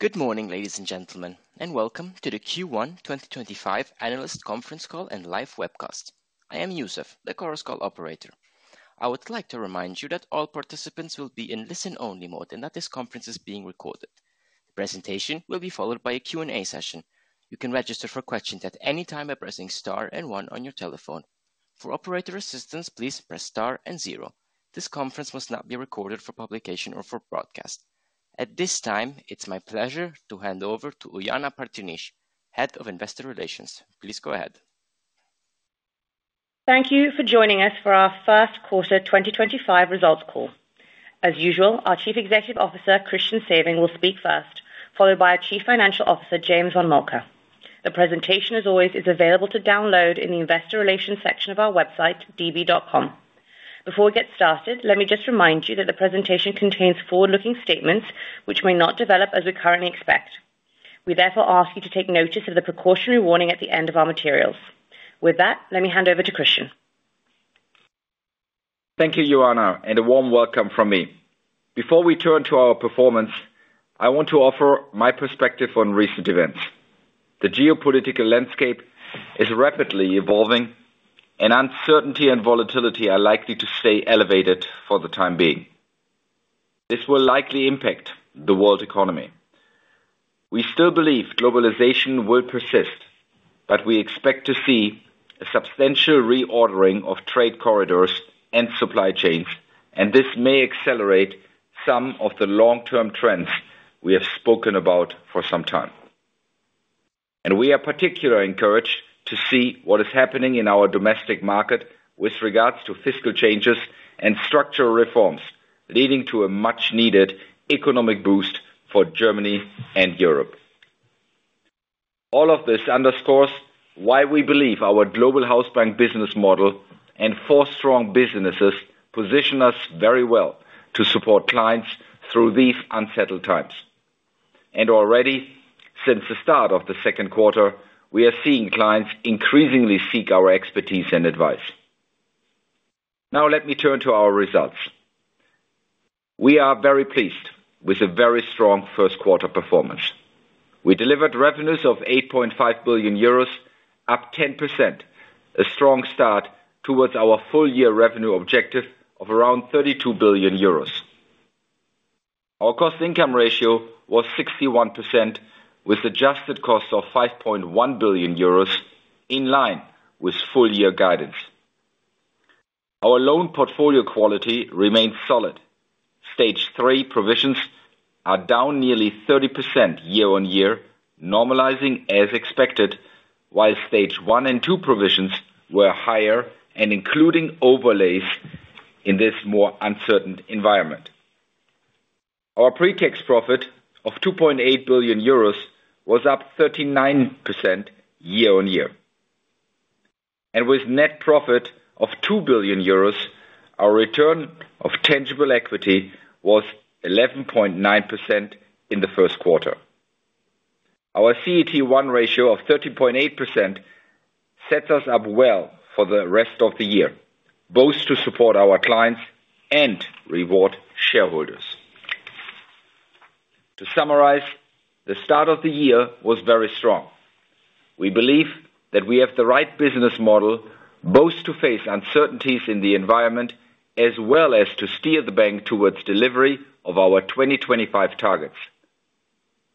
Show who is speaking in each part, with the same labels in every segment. Speaker 1: Good morning, ladies and gentlemen, and welcome to the Q1 2025 Analysts Conference Call and Live Webcast. I am Yusuf, the Chorus Call Operator. I would like to remind you that all participants will be in listen-only mode and that this conference is being recorded. The presentation will be followed by a Q&A session. You can register for questions at any time by pressing Star and one on your telephone. For operator assistance, please press Star and zero. This conference must not be recorded for publication or for broadcast. At this time, it's my pleasure to hand over to Ioana Patriniche, Head of Investor Relations. Please go ahead.
Speaker 2: Thank you for joining us for our first quarter 2025 results call. As usual, our Chief Executive Officer, Christian Sewing, will speak first, followed by our Chief Financial Officer, James von Moltke. The presentation, as always, is available to download in the Investor Relations section of our website, db.com. Before we get started, let me just remind you that the presentation contains forward-looking statements which may not develop as we currently expect. We therefore ask you to take notice of the precautionary warning at the end of our materials. With that, let me hand over to Christian.
Speaker 3: Thank you, Ioana, and a warm welcome from me. Before we turn to our performance, I want to offer my perspective on recent events. The geopolitical landscape is rapidly evolving, and uncertainty and volatility are likely to stay elevated for the time being. This will likely impact the world economy. We still believe globalization will persist, but we expect to see a substantial reordering of trade corridors and supply chains, and this may accelerate some of the long-term trends we have spoken about for some time. We are particularly encouraged to see what is happening in our domestic market with regards to fiscal changes and structural reforms leading to a much-needed economic boost for Germany and Europe. All of this underscores why we believe our global housebank business model and four strong businesses position us very well to support clients through these unsettled times. Already, since the start of the second quarter, we are seeing clients increasingly seek our expertise and advice. Now, let me turn to our results. We are very pleased with a very strong first quarter performance. We delivered revenues of 8.5 billion euros, up 10%, a strong start towards our full-year revenue objective of around 32 billion euros. Our cost-to-income ratio was 61%, with adjusted costs of 5.1 billion euros in line with full-year guidance. Our loan portfolio quality remained solid. Stage three provisions are down nearly 30% year-on-year, normalizing as expected, while Stage one and two provisions were higher and including overlays in this more uncertain environment. Our pre-tax profit of 2.8 billion euros was up 39% year-on-year. With net profit of 2 billion euros, our return on tangible equity was 11.9% in the first quarter. Our CET1 ratio of 30.8% sets us up well for the rest of the year, both to support our clients and reward shareholders. To summarize, the start of the year was very strong. We believe that we have the right business model both to face uncertainties in the environment as well as to steer the bank towards delivery of our 2025 targets.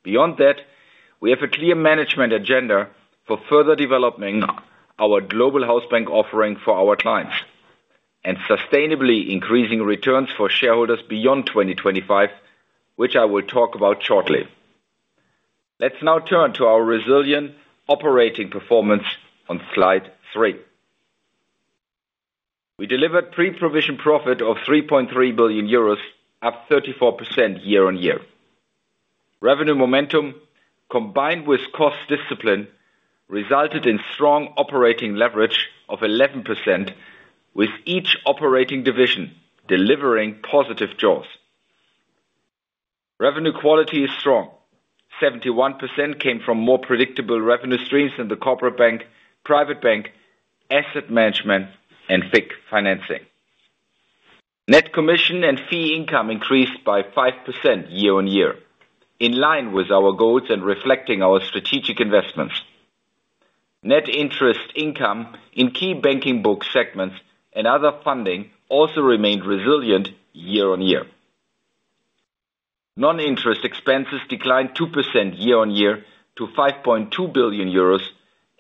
Speaker 3: Beyond that, we have a clear management agenda for further developing our global housbank offering for our clients and sustainably increasing returns for shareholders beyond 2025, which I will talk about shortly. Let's now turn to our resilient operating performance on Slide three. We delivered pre-provision profit of 3.3 billion euros, up 34% year-on-year. Revenue momentum, combined with cost discipline, resulted in strong operating leverage of 11%, with each operating division delivering positive jaws. Revenue quality is strong. 71% came from more predictable revenue streams in the corporate bank, private bank, asset management, and FIC financing. Net commission and fee income increased by 5% year-on-year, in line with our goals and reflecting our strategic investments. Net interest income in key banking book segments and other funding also remained resilient year-on-year. Non-interest expenses declined 2% year-on-year to 5.2 billion euros,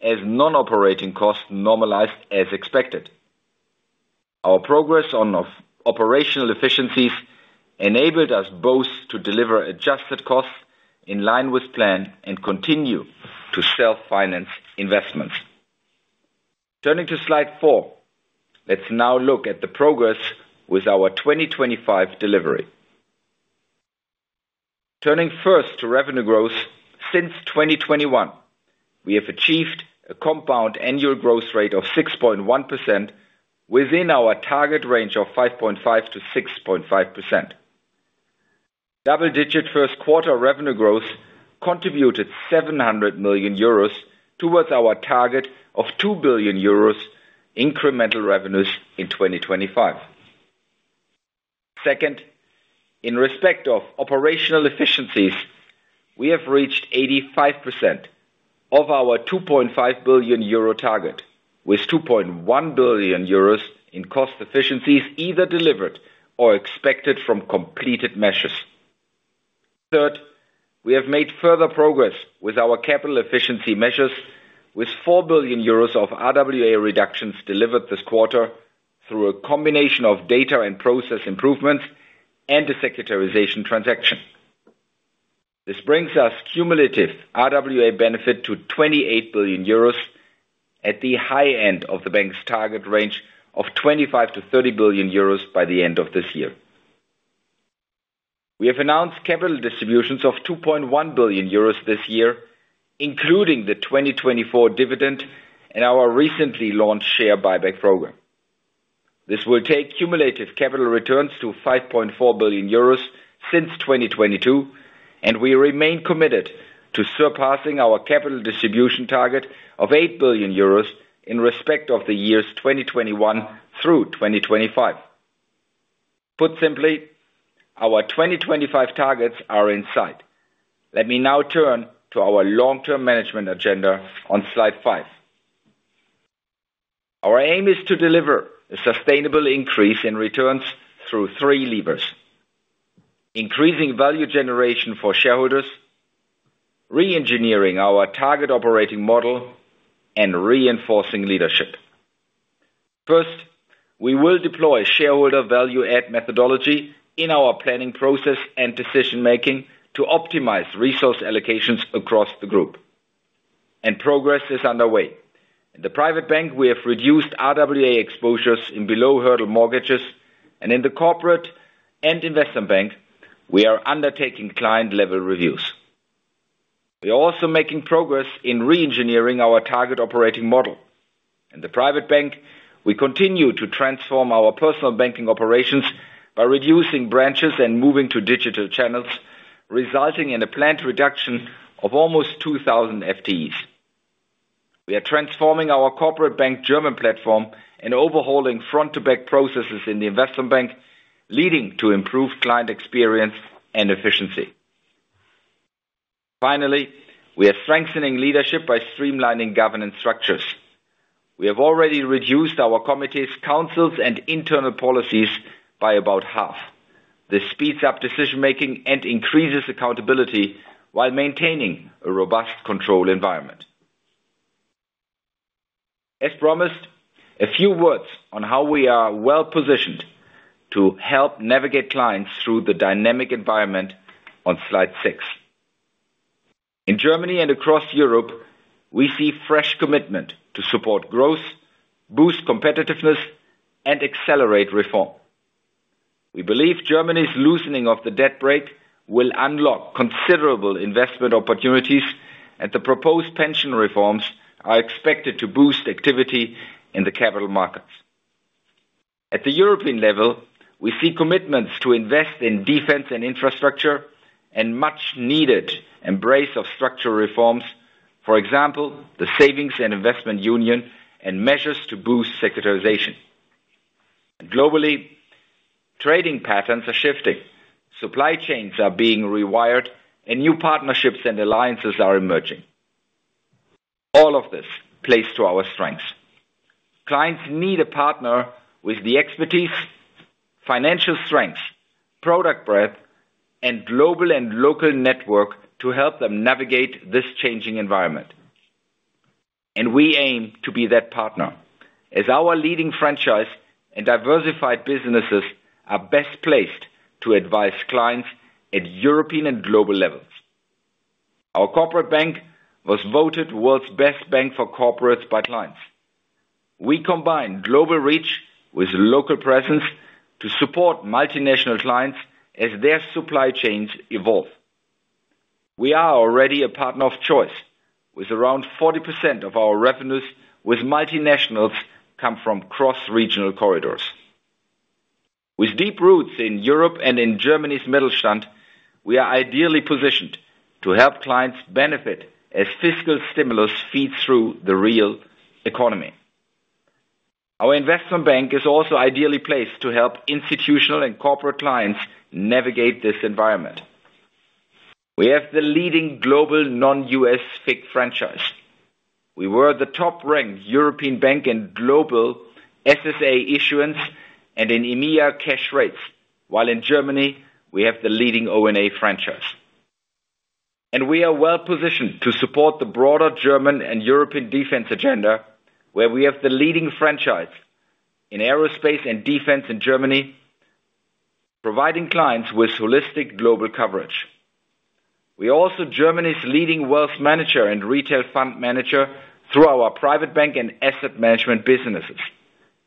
Speaker 3: as non-operating costs normalized as expected. Our progress on operational efficiencies enabled us both to deliver adjusted costs in line with plan and continue to self-finance investments. Turning to Slide four, let's now look at the progress with our 2025 delivery. Turning first to revenue growth, since 2021, we have achieved a compound annual growth rate of 6.1% within our target range of 5.5%-6.5%. Double-digit first quarter revenue growth contributed 700 million euros towards our target of 2 billion euros incremental revenues in 2025. Second, in respect of operational efficiencies, we have reached 85% of our 2.5 billion euro target, with 2.1 billion euros in cost efficiencies either delivered or expected from completed measures. Third, we have made further progress with our capital efficiency measures, with 4 billion euros of RWA reductions delivered this quarter through a combination of data and process improvements and a securitization transaction. This brings us cumulative RWA benefit to 28 billion euros, at the high end of the bank's target range of 25 billion-30 billion euros by the end of this year. We have announced capital distributions of 2.1 billion euros this year, including the 2024 dividend and our recently launched share buyback program. This will take cumulative capital returns to 5.4 billion euros since 2022, and we remain committed to surpassing our capital distribution target of 8 billion euros in respect of the years 2021 through 2025. Put simply, our 2025 targets are in sight. Let me now turn to our long-term management agenda on Slide five. Our aim is to deliver a sustainable increase in returns through three levers: increasing value generation for shareholders, re-engineering our target operating model, and reinforcing leadership. First, we will deploy shareholder value-add methodology in our planning process and decision-making to optimize resource allocations across the group. Progress is underway. In the private bank, we have reduced RWA exposures in below-hurdle mortgages, and in the corporate and investment bank, we are undertaking client-level reviews. We are also making progress in re-engineering our target operating model. In the private bank, we continue to transform our personal banking operations by reducing branches and moving to digital channels, resulting in a planned reduction of almost 2,000 FTEs. We are transforming our corporate bank German platform and overhauling front-to-back processes in the investment bank, leading to improved client experience and efficiency. Finally, we are strengthening leadership by streamlining governance structures. We have already reduced our committees, councils, and internal policies by about half. This speeds up decision-making and increases accountability while maintaining a robust control environment. As promised, a few words on how we are well-positioned to help navigate clients through the dynamic environment on Slide six. In Germany and across Europe, we see fresh commitment to support growth, boost competitiveness, and accelerate reform. We believe Germany's loosening of the debt brake will unlock considerable investment opportunities, and the proposed pension reforms are expected to boost activity in the capital markets. At the European level, we see commitments to invest in defense and infrastructure and much-needed embrace of structural reforms, for example, the Savings and Investment Union and measures to boost sectorization. Globally, trading patterns are shifting, supply chains are being rewired, and new partnerships and alliances are emerging. All of this plays to our strengths. Clients need a partner with the expertise, financial strengths, product breadth, and global and local network to help them navigate this changing environment. We aim to be that partner, as our leading franchise and diversified businesses are best placed to advise clients at European and global levels. Our corporate bank was voted World's Best Bank for Corporates by clients. We combine global reach with local presence to support multinational clients as their supply chains evolve. We are already a partner of choice, with around 40% of our revenues with multinationals coming from cross-regional corridors. With deep roots in Europe and in Germany's Mittelstand, we are ideally positioned to help clients benefit as fiscal stimulus feeds through the real economy. Our investment bank is also ideally placed to help institutional and corporate clients navigate this environment. We have the leading global non-U.S. FIC franchise. We were the top-ranked European bank in global SSA issuance and in EMIA cash rates, while in Germany, we have the leading ONA franchise. We are well-positioned to support the broader German and European defense agenda, where we have the leading franchise in aerospace and defense in Germany, providing clients with holistic global coverage. We are also Germany's leading wealth manager and retail fund manager through our private bank and asset management businesses.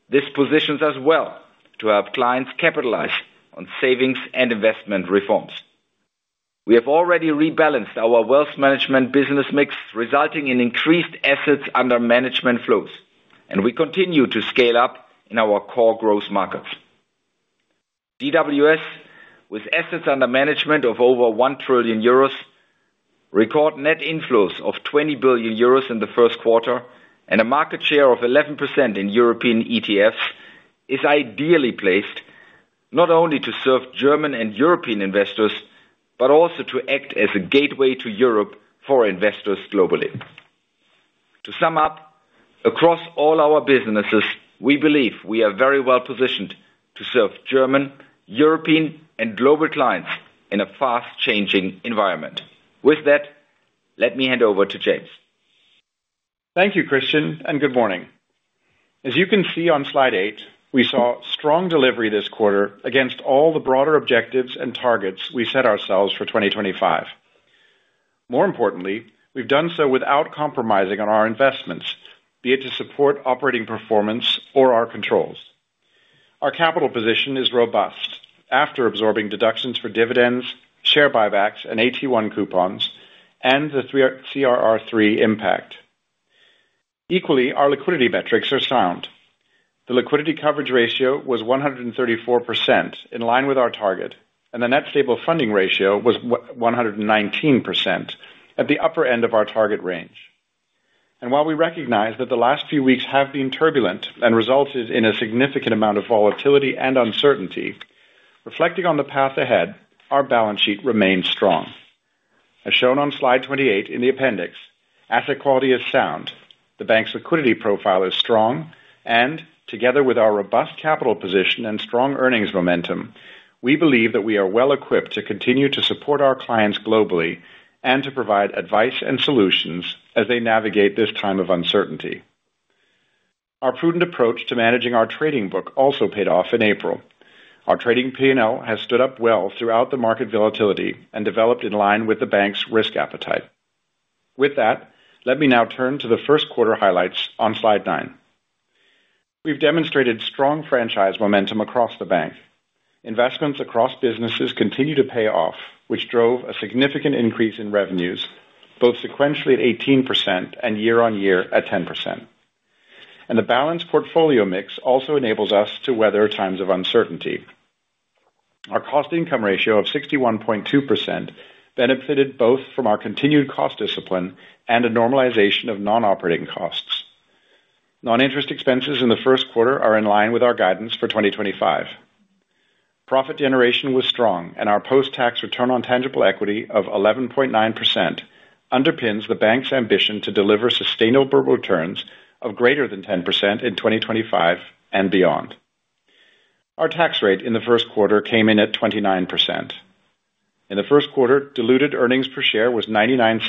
Speaker 3: This positions us well to help clients capitalize on savings and investment reforms. We have already rebalanced our wealth management business mix, resulting in increased assets under management flows, and we continue to scale up in our core growth markets. DWS, with assets under management of over 1 trillion euros, record net inflows of 20 billion euros in the first quarter and a market share of 11% in European ETFs, is ideally placed not only to serve German and European investors but also to act as a gateway to Europe for investors globally. To sum up, across all our businesses, we believe we are very well-positioned to serve German, European, and global clients in a fast-changing environment. With that, let me hand over to James.
Speaker 4: Thank you, Christian, and good morning. As you can see on Slide eight, we saw strong delivery this quarter against all the broader objectives and targets we set ourselves for 2025. More importantly, we've done so without compromising on our investments, be it to support operating performance or our controls. Our capital position is robust after absorbing deductions for dividends, share buybacks, and AT1 coupons, and the CRR3 impact. Equally, our liquidity metrics are sound. The liquidity coverage ratio was 134%, in line with our target, and the net stable funding ratio was 119%, at the upper end of our target range. While we recognize that the last few weeks have been turbulent and resulted in a significant amount of volatility and uncertainty, reflecting on the path ahead, our balance sheet remains strong. As shown on Slide 28 in the appendix, asset quality is sound, the bank's liquidity profile is strong, and together with our robust capital position and strong earnings momentum, we believe that we are well-equipped to continue to support our clients globally and to provide advice and solutions as they navigate this time of uncertainty. Our prudent approach to managing our trading book also paid off in April. Our trading P&L has stood up well throughout the market volatility and developed in line with the bank's risk appetite. With that, let me now turn to the first quarter highlights on Slide nine. We've demonstrated strong franchise momentum across the bank. Investments across businesses continue to pay off, which drove a significant increase in revenues, both sequentially at 18% and year-on-year at 10%. The balanced portfolio mix also enables us to weather times of uncertainty. Our cost income ratio of 61.2% benefited both from our continued cost discipline and a normalization of non-operating costs. Non-interest expenses in the first quarter are in line with our guidance for 2025. Profit generation was strong, and our post-tax return on tangible equity of 11.9% underpins the bank's ambition to deliver sustainable returns of greater than 10% in 2025 and beyond. Our tax rate in the first quarter came in at 29%. In the first quarter, diluted earnings per share was 0.99,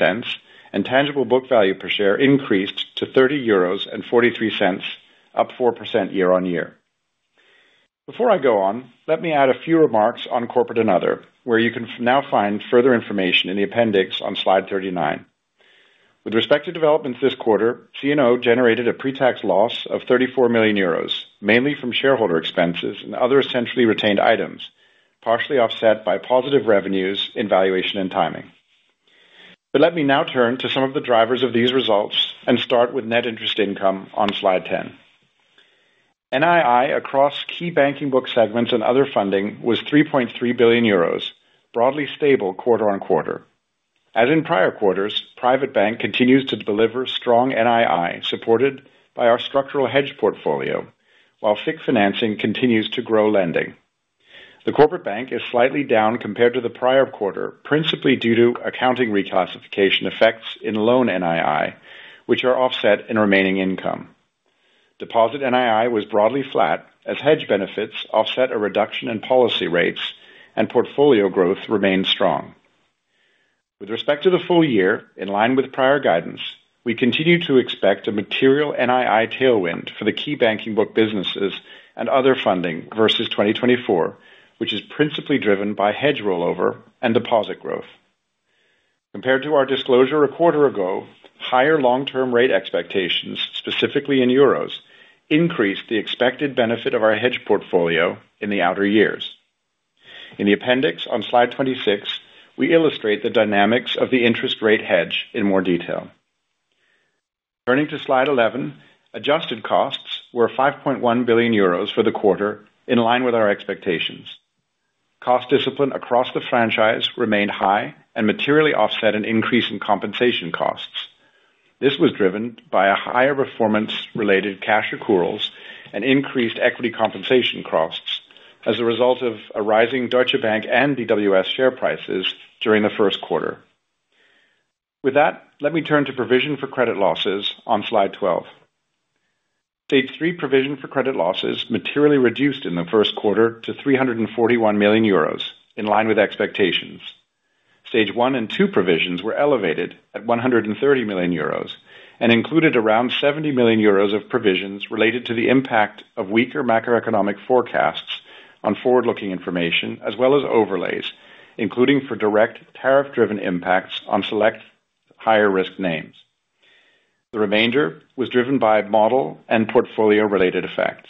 Speaker 4: and tangible book value per share increased to 30.43 euros, up 4% year-on-year. Before I go on, let me add a few remarks on corporate and other, where you can now find further information in the appendix on Slide 39. With respect to developments this quarter, C&O generated a pre-tax loss of 34 million euros, mainly from shareholder expenses and other essentially retained items, partially offset by positive revenues in valuation and timing. Let me now turn to some of the drivers of these results and start with net interest income on Slide 10. NII across key banking book segments and other funding was 3.3 billion euros, broadly stable quarter on quarter. As in prior quarters, private bank continues to deliver strong NII supported by our structural hedge portfolio, while FIC financing continues to grow lending. The corporate bank is slightly down compared to the prior quarter, principally due to accounting reclassification effects in loan NII, which are offset in remaining income. Deposit NII was broadly flat, as hedge benefits offset a reduction in policy rates, and portfolio growth remained strong. With respect to the full year, in line with prior guidance, we continue to expect a material NII tailwind for the key banking book businesses and other funding versus 2024, which is principally driven by hedge rollover and deposit growth. Compared to our disclosure a quarter ago, higher long-term rate expectations, specifically in euros, increased the expected benefit of our hedge portfolio in the outer years. In the appendix on Slide 26, we illustrate the dynamics of the interest rate hedge in more detail. Turning to Slide 11, adjusted costs were 5.1 billion euros for the quarter, in line with our expectations. Cost discipline across the franchise remained high and materially offset an increase in compensation costs. This was driven by higher performance-related cash accruals and increased equity compensation costs as a result of a rising Deutsche Bank and DWS share prices during the first quarter. With that, let me turn to provision for credit losses on Slide 12. Stage 3 provision for credit losses materially reduced in the first quarter to 341 million euros, in line with expectations. Stage one and two provisions were elevated at 130 million euros and included around 70 million euros of provisions related to the impact of weaker macroeconomic forecasts on forward-looking information, as well as overlays, including for direct tariff-driven impacts on select higher-risk names. The remainder was driven by model and portfolio-related effects.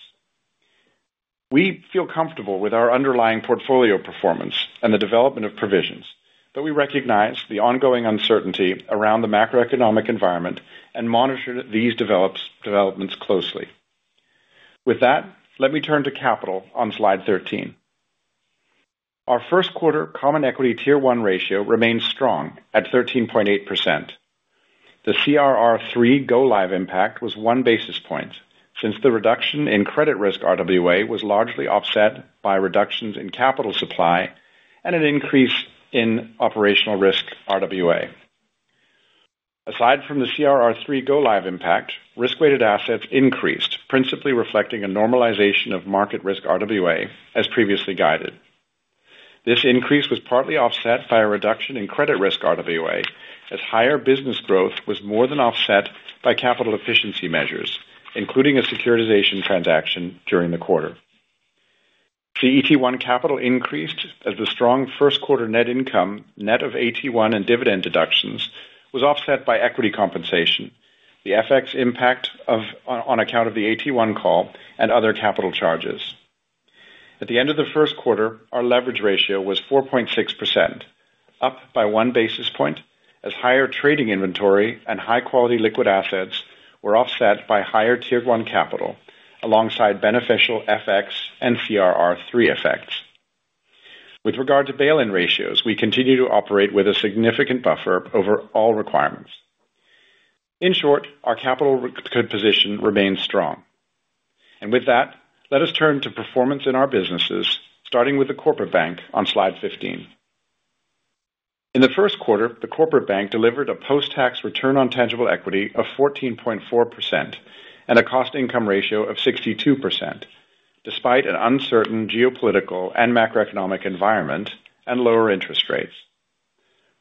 Speaker 4: We feel comfortable with our underlying portfolio performance and the development of provisions, but we recognize the ongoing uncertainty around the macroeconomic environment and monitor these developments closely. With that, let me turn to capital on Slide 13. Our first quarter common equity tier 1 ratio remained strong at 13.8%. The CRR3 go-live impact was one basis point since the reduction in credit risk RWA was largely offset by reductions in capital supply and an increase in operational risk RWA. Aside from the CRR3 go-live impact, risk-weighted assets increased, principally reflecting a normalization of market risk RWA, as previously guided. This increase was partly offset by a reduction in credit risk RWA, as higher business growth was more than offset by capital efficiency measures, including a securitization transaction during the quarter. The CET1 capital increased as the strong first-quarter net income, net of AT1 and dividend deductions, was offset by equity compensation, the FX impact on account of the AT1 call and other capital charges. At the end of the first quarter, our leverage ratio was 4.6%, up by one basis point, as higher trading inventory and high-quality liquid assets were offset by higher tier-one capital, alongside beneficial FX and CRR3 effects. With regard to bail-in ratios, we continue to operate with a significant buffer over all requirements. In short, our capital position remained strong. With that, let us turn to performance in our businesses, starting with the corporate bank on Slide 15. In the first quarter, the corporate bank delivered a post-tax return on tangible equity of 14.4% and a cost-income ratio of 62%, despite an uncertain geopolitical and macroeconomic environment and lower interest rates.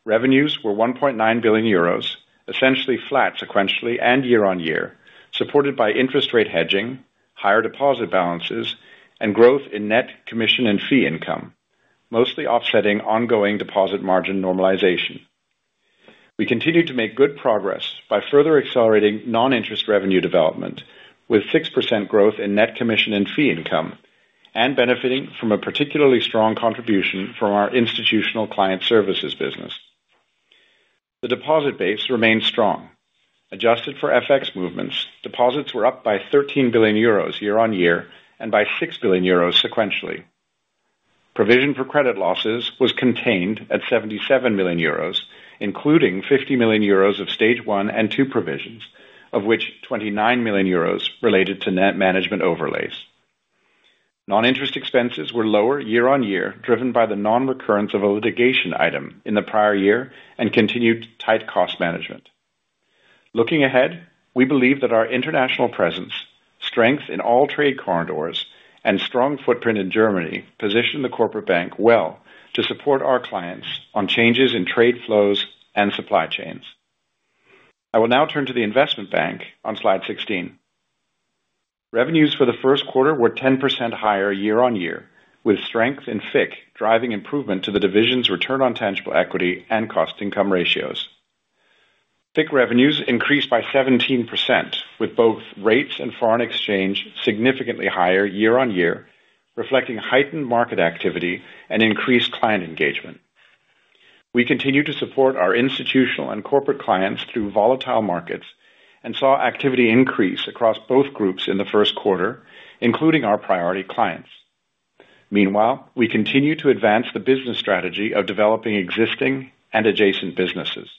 Speaker 4: Revenues were 1.9 billion euros, essentially flat sequentially and year-on-year, supported by interest rate hedging, higher deposit balances, and growth in net commission and fee income, mostly offsetting ongoing deposit margin normalization. We continue to make good progress by further accelerating non-interest revenue development, with 6% growth in net commission and fee income, and benefiting from a particularly strong contribution from our institutional client services business. The deposit base remained strong. Adjusted for FX movements, deposits were up by 13 billion euros year-on-year and by 6 billion euros sequentially. Provision for credit losses was contained at 77 million euros, including 50 million euros of stage one and two provisions, of which 29 million euros related to net management overlays. Non-interest expenses were lower year-on-year, driven by the non-recurrence of a litigation item in the prior year and continued tight cost management. Looking ahead, we believe that our international presence, strength in all trade corridors, and strong footprint in Germany position the corporate bank well to support our clients on changes in trade flows and supply chains. I will now turn to the investment bank on Slide 16. Revenues for the first quarter were 10% higher year-on-year, with strength in FIC driving improvement to the division's return on tangible equity and cost income ratios. FIC revenues increased by 17%, with both rates and foreign exchange significantly higher year-on-year, reflecting heightened market activity and increased client engagement. We continue to support our institutional and corporate clients through volatile markets and saw activity increase across both groups in the first quarter, including our priority clients. Meanwhile, we continue to advance the business strategy of developing existing and adjacent businesses.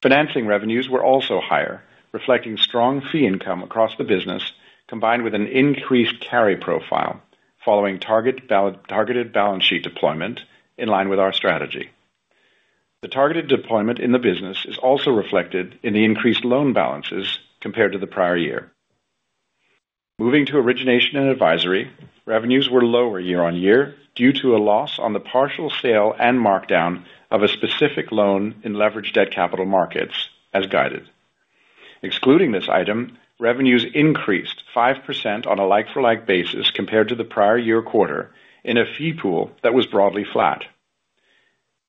Speaker 4: Financing revenues were also higher, reflecting strong fee income across the business, combined with an increased carry profile following targeted balance sheet deployment in line with our strategy. The targeted deployment in the business is also reflected in the increased loan balances compared to the prior year. Moving to origination and advisory, revenues were lower year-on-year due to a loss on the partial sale and markdown of a specific loan in leveraged debt capital markets, as guided. Excluding this item, revenues increased 5% on a like-for-like basis compared to the prior year quarter in a fee pool that was broadly flat.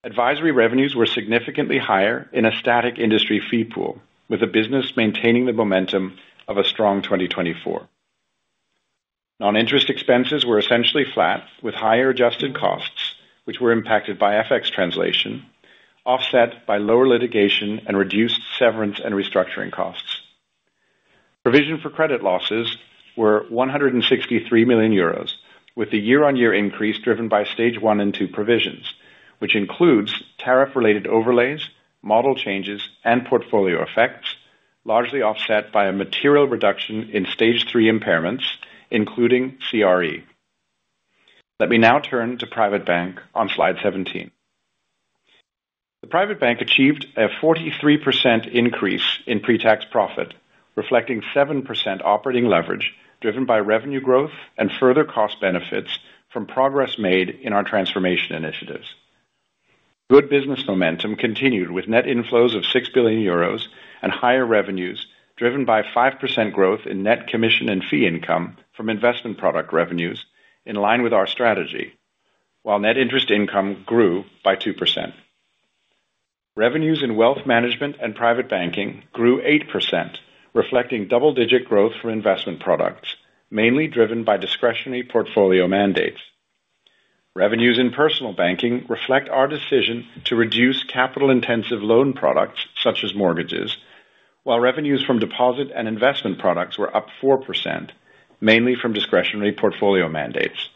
Speaker 4: Advisory revenues were significantly higher in a static industry fee pool, with the business maintaining the momentum of a strong 2024. Non-interest expenses were essentially flat, with higher adjusted costs, which were impacted by FX translation, offset by lower litigation and reduced severance and restructuring costs. Provision for credit losses were 163 million euros, with the year-on-year increase driven by stage one and two provisions, which includes tariff-related overlays, model changes, and portfolio effects, largely offset by a material reduction in stage three impairments, including CRE. Let me now turn to private bank on Slide 17. The private bank achieved a 43% increase in pre-tax profit, reflecting 7% operating leverage driven by revenue growth and further cost benefits from progress made in our transformation initiatives. Good business momentum continued with net inflows of 6 billion euros and higher revenues driven by 5% growth in net commission and fee income from investment product revenues, in line with our strategy, while net interest income grew by 2%. Revenues in wealth management and private banking grew 8%, reflecting double-digit growth for investment products, mainly driven by discretionary portfolio mandates. Revenues in personal banking reflect our decision to reduce capital-intensive loan products such as mortgages, while revenues from deposit and investment products were up 4%, mainly from discretionary portfolio mandates.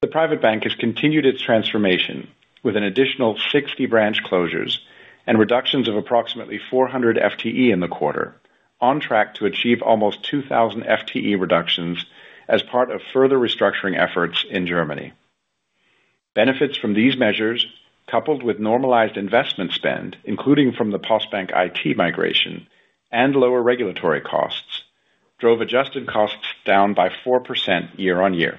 Speaker 4: The private bank has continued its transformation with an additional 60 branch closures and reductions of approximately 400 FTE in the quarter, on track to achieve almost 2,000 FTE reductions as part of further restructuring efforts in Germany. Benefits from these measures, coupled with normalized investment spend, including from the Postbank IT migration and lower regulatory costs, drove adjusted costs down by 4% year-on-year.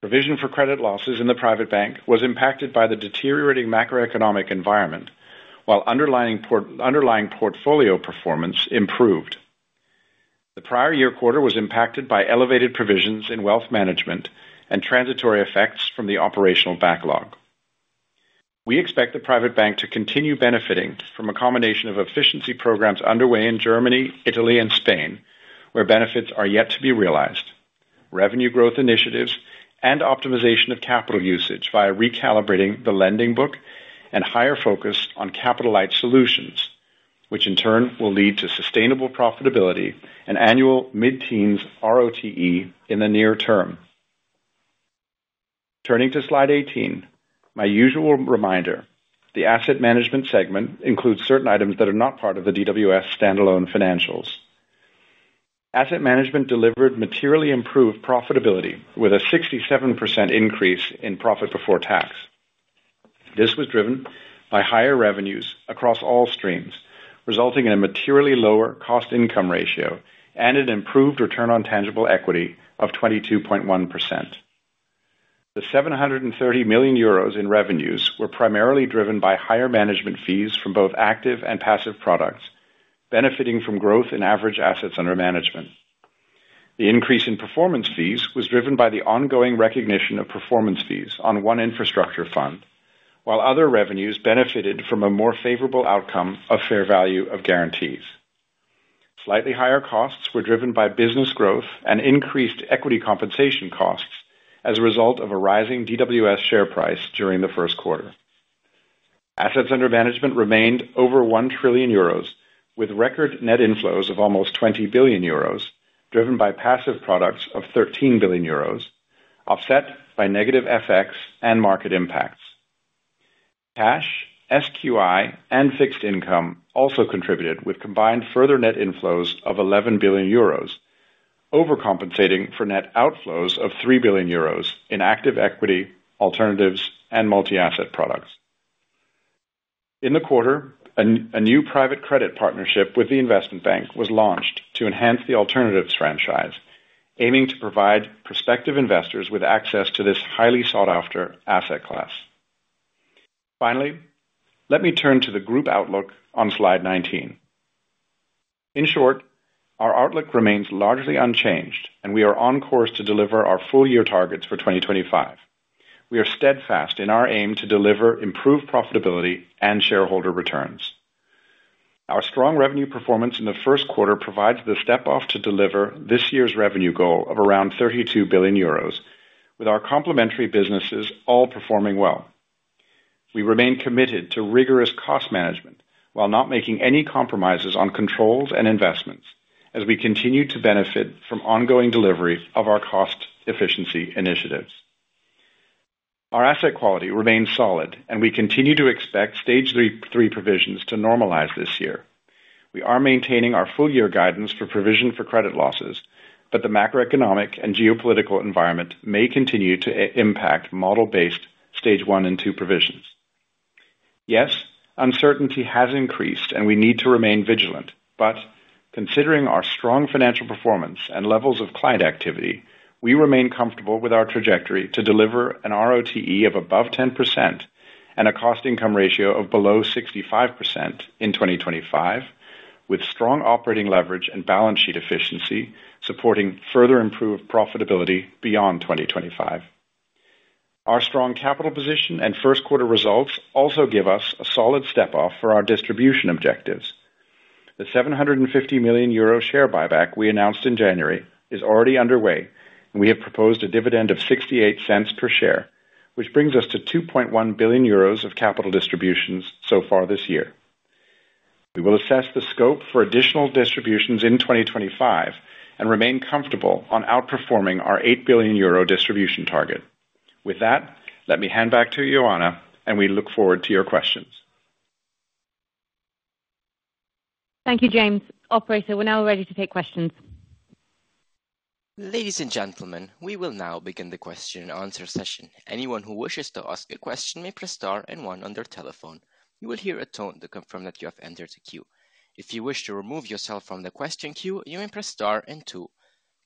Speaker 4: Provision for credit losses in the private bank was impacted by the deteriorating macroeconomic environment, while underlying portfolio performance improved. The prior year quarter was impacted by elevated provisions in wealth management and transitory effects from the operational backlog. We expect the private bank to continue benefiting from a combination of efficiency programs underway in Germany, Italy, and Spain, where benefits are yet to be realized, revenue growth initiatives, and optimization of capital usage via recalibrating the lending book and higher focus on capital-light solutions, which in turn will lead to sustainable profitability and annual mid-teens RoTE in the near term. Turning to Slide 18, my usual reminder, the asset management segment includes certain items that are not part of the DWS standalone financials. Asset management delivered materially improved profitability with a 67% increase in profit before tax. This was driven by higher revenues across all streams, resulting in a materially lower cost income ratio and an improved return on tangible equity of 22.1%. The 730 million euros in revenues were primarily driven by higher management fees from both active and passive products, benefiting from growth in average assets under management. The increase in performance fees was driven by the ongoing recognition of performance fees on one infrastructure fund, while other revenues benefited from a more favorable outcome of fair value of guarantees. Slightly higher costs were driven by business growth and increased equity compensation costs as a result of a rising DWS share price during the first quarter. Assets under management remained over 1 trillion euros, with record net inflows of almost 20 billion euros, driven by passive products of 13 billion euros, offset by negative FX and market impacts. Cash, SQI, and fixed income also contributed, with combined further net inflows of 11 billion euros, overcompensating for net outflows of 3 billion euros in active equity, alternatives, and multi-asset products. In the quarter, a new private credit partnership with the investment bank was launched to enhance the alternatives franchise, aiming to provide prospective investors with access to this highly sought-after asset class. Finally, let me turn to the group outlook on Slide 19. In short, our outlook remains largely unchanged, and we are on course to deliver our full-year targets for 2025. We are steadfast in our aim to deliver improved profitability and shareholder returns. Our strong revenue performance in the first quarter provides the step off to deliver this year's revenue goal of around 32 billion euros, with our complementary businesses all performing well. We remain committed to rigorous cost management while not making any compromises on controls and investments, as we continue to benefit from ongoing delivery of our cost efficiency initiatives. Our asset quality remains solid, and we continue to expect stage three provisions to normalize this year. We are maintaining our full-year guidance for provision for credit losses, but the macroeconomic and geopolitical environment may continue to impact model-based stage one and two provisions. Yes, uncertainty has increased, and we need to remain vigilant, but considering our strong financial performance and levels of client activity, we remain comfortable with our trajectory to deliver an RoTE of above 10% and a cost income ratio of below 65% in 2025, with strong operating leverage and balance sheet efficiency supporting further improved profitability beyond 2025. Our strong capital position and first-quarter results also give us a solid step off for our distribution objectives. The 750 million euro share buyback we announced in January is already underway, and we have proposed a dividend of 0.68 per share, which brings us to 2.1 billion euros of capital distributions so far this year. We will assess the scope for additional distributions in 2025 and remain comfortable on outperforming our 8 billion euro distribution target. With that, let me hand back to Ioana, and we look forward to your questions.
Speaker 2: Thank you, James. Operator, we're now ready to take questions.
Speaker 1: Ladies and gentlemen, we will now begin the question and answer session. Anyone who wishes to ask a question may press star and one on their telephone. You will hear a tone to confirm that you have entered the queue. If you wish to remove yourself from the question queue, you may press star and two.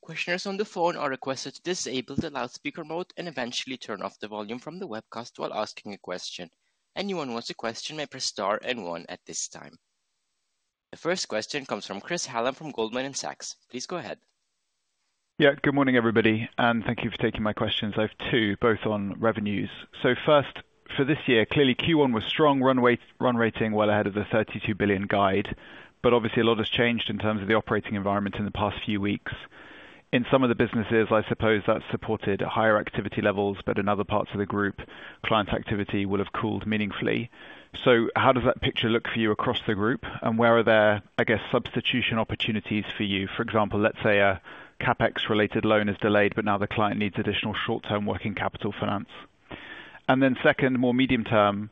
Speaker 1: Questioners on the phone are requested to disable the loudspeaker mode and eventually turn off the volume from the webcast while asking a question. Anyone who wants to question may press star and one at this time. The first question comes from Chris Hallam from Goldman Sachs.
Speaker 5: Please go ahead. Yeah, good morning, everybody, and thank you for taking my questions. I have two, both on revenues. First, for this year, clearly Q1 was strong run rating, well ahead of the 32 billion guide, but obviously a lot has changed in terms of the operating environment in the past few weeks. In some of the businesses, I suppose that supported higher activity levels, but in other parts of the group, client activity will have cooled meaningfully. How does that picture look for you across the group, and where are there, I guess, substitution opportunities for you? For example, let's say a CapEx-related loan is delayed, but now the client needs additional short-term working capital finance. Second, more medium term,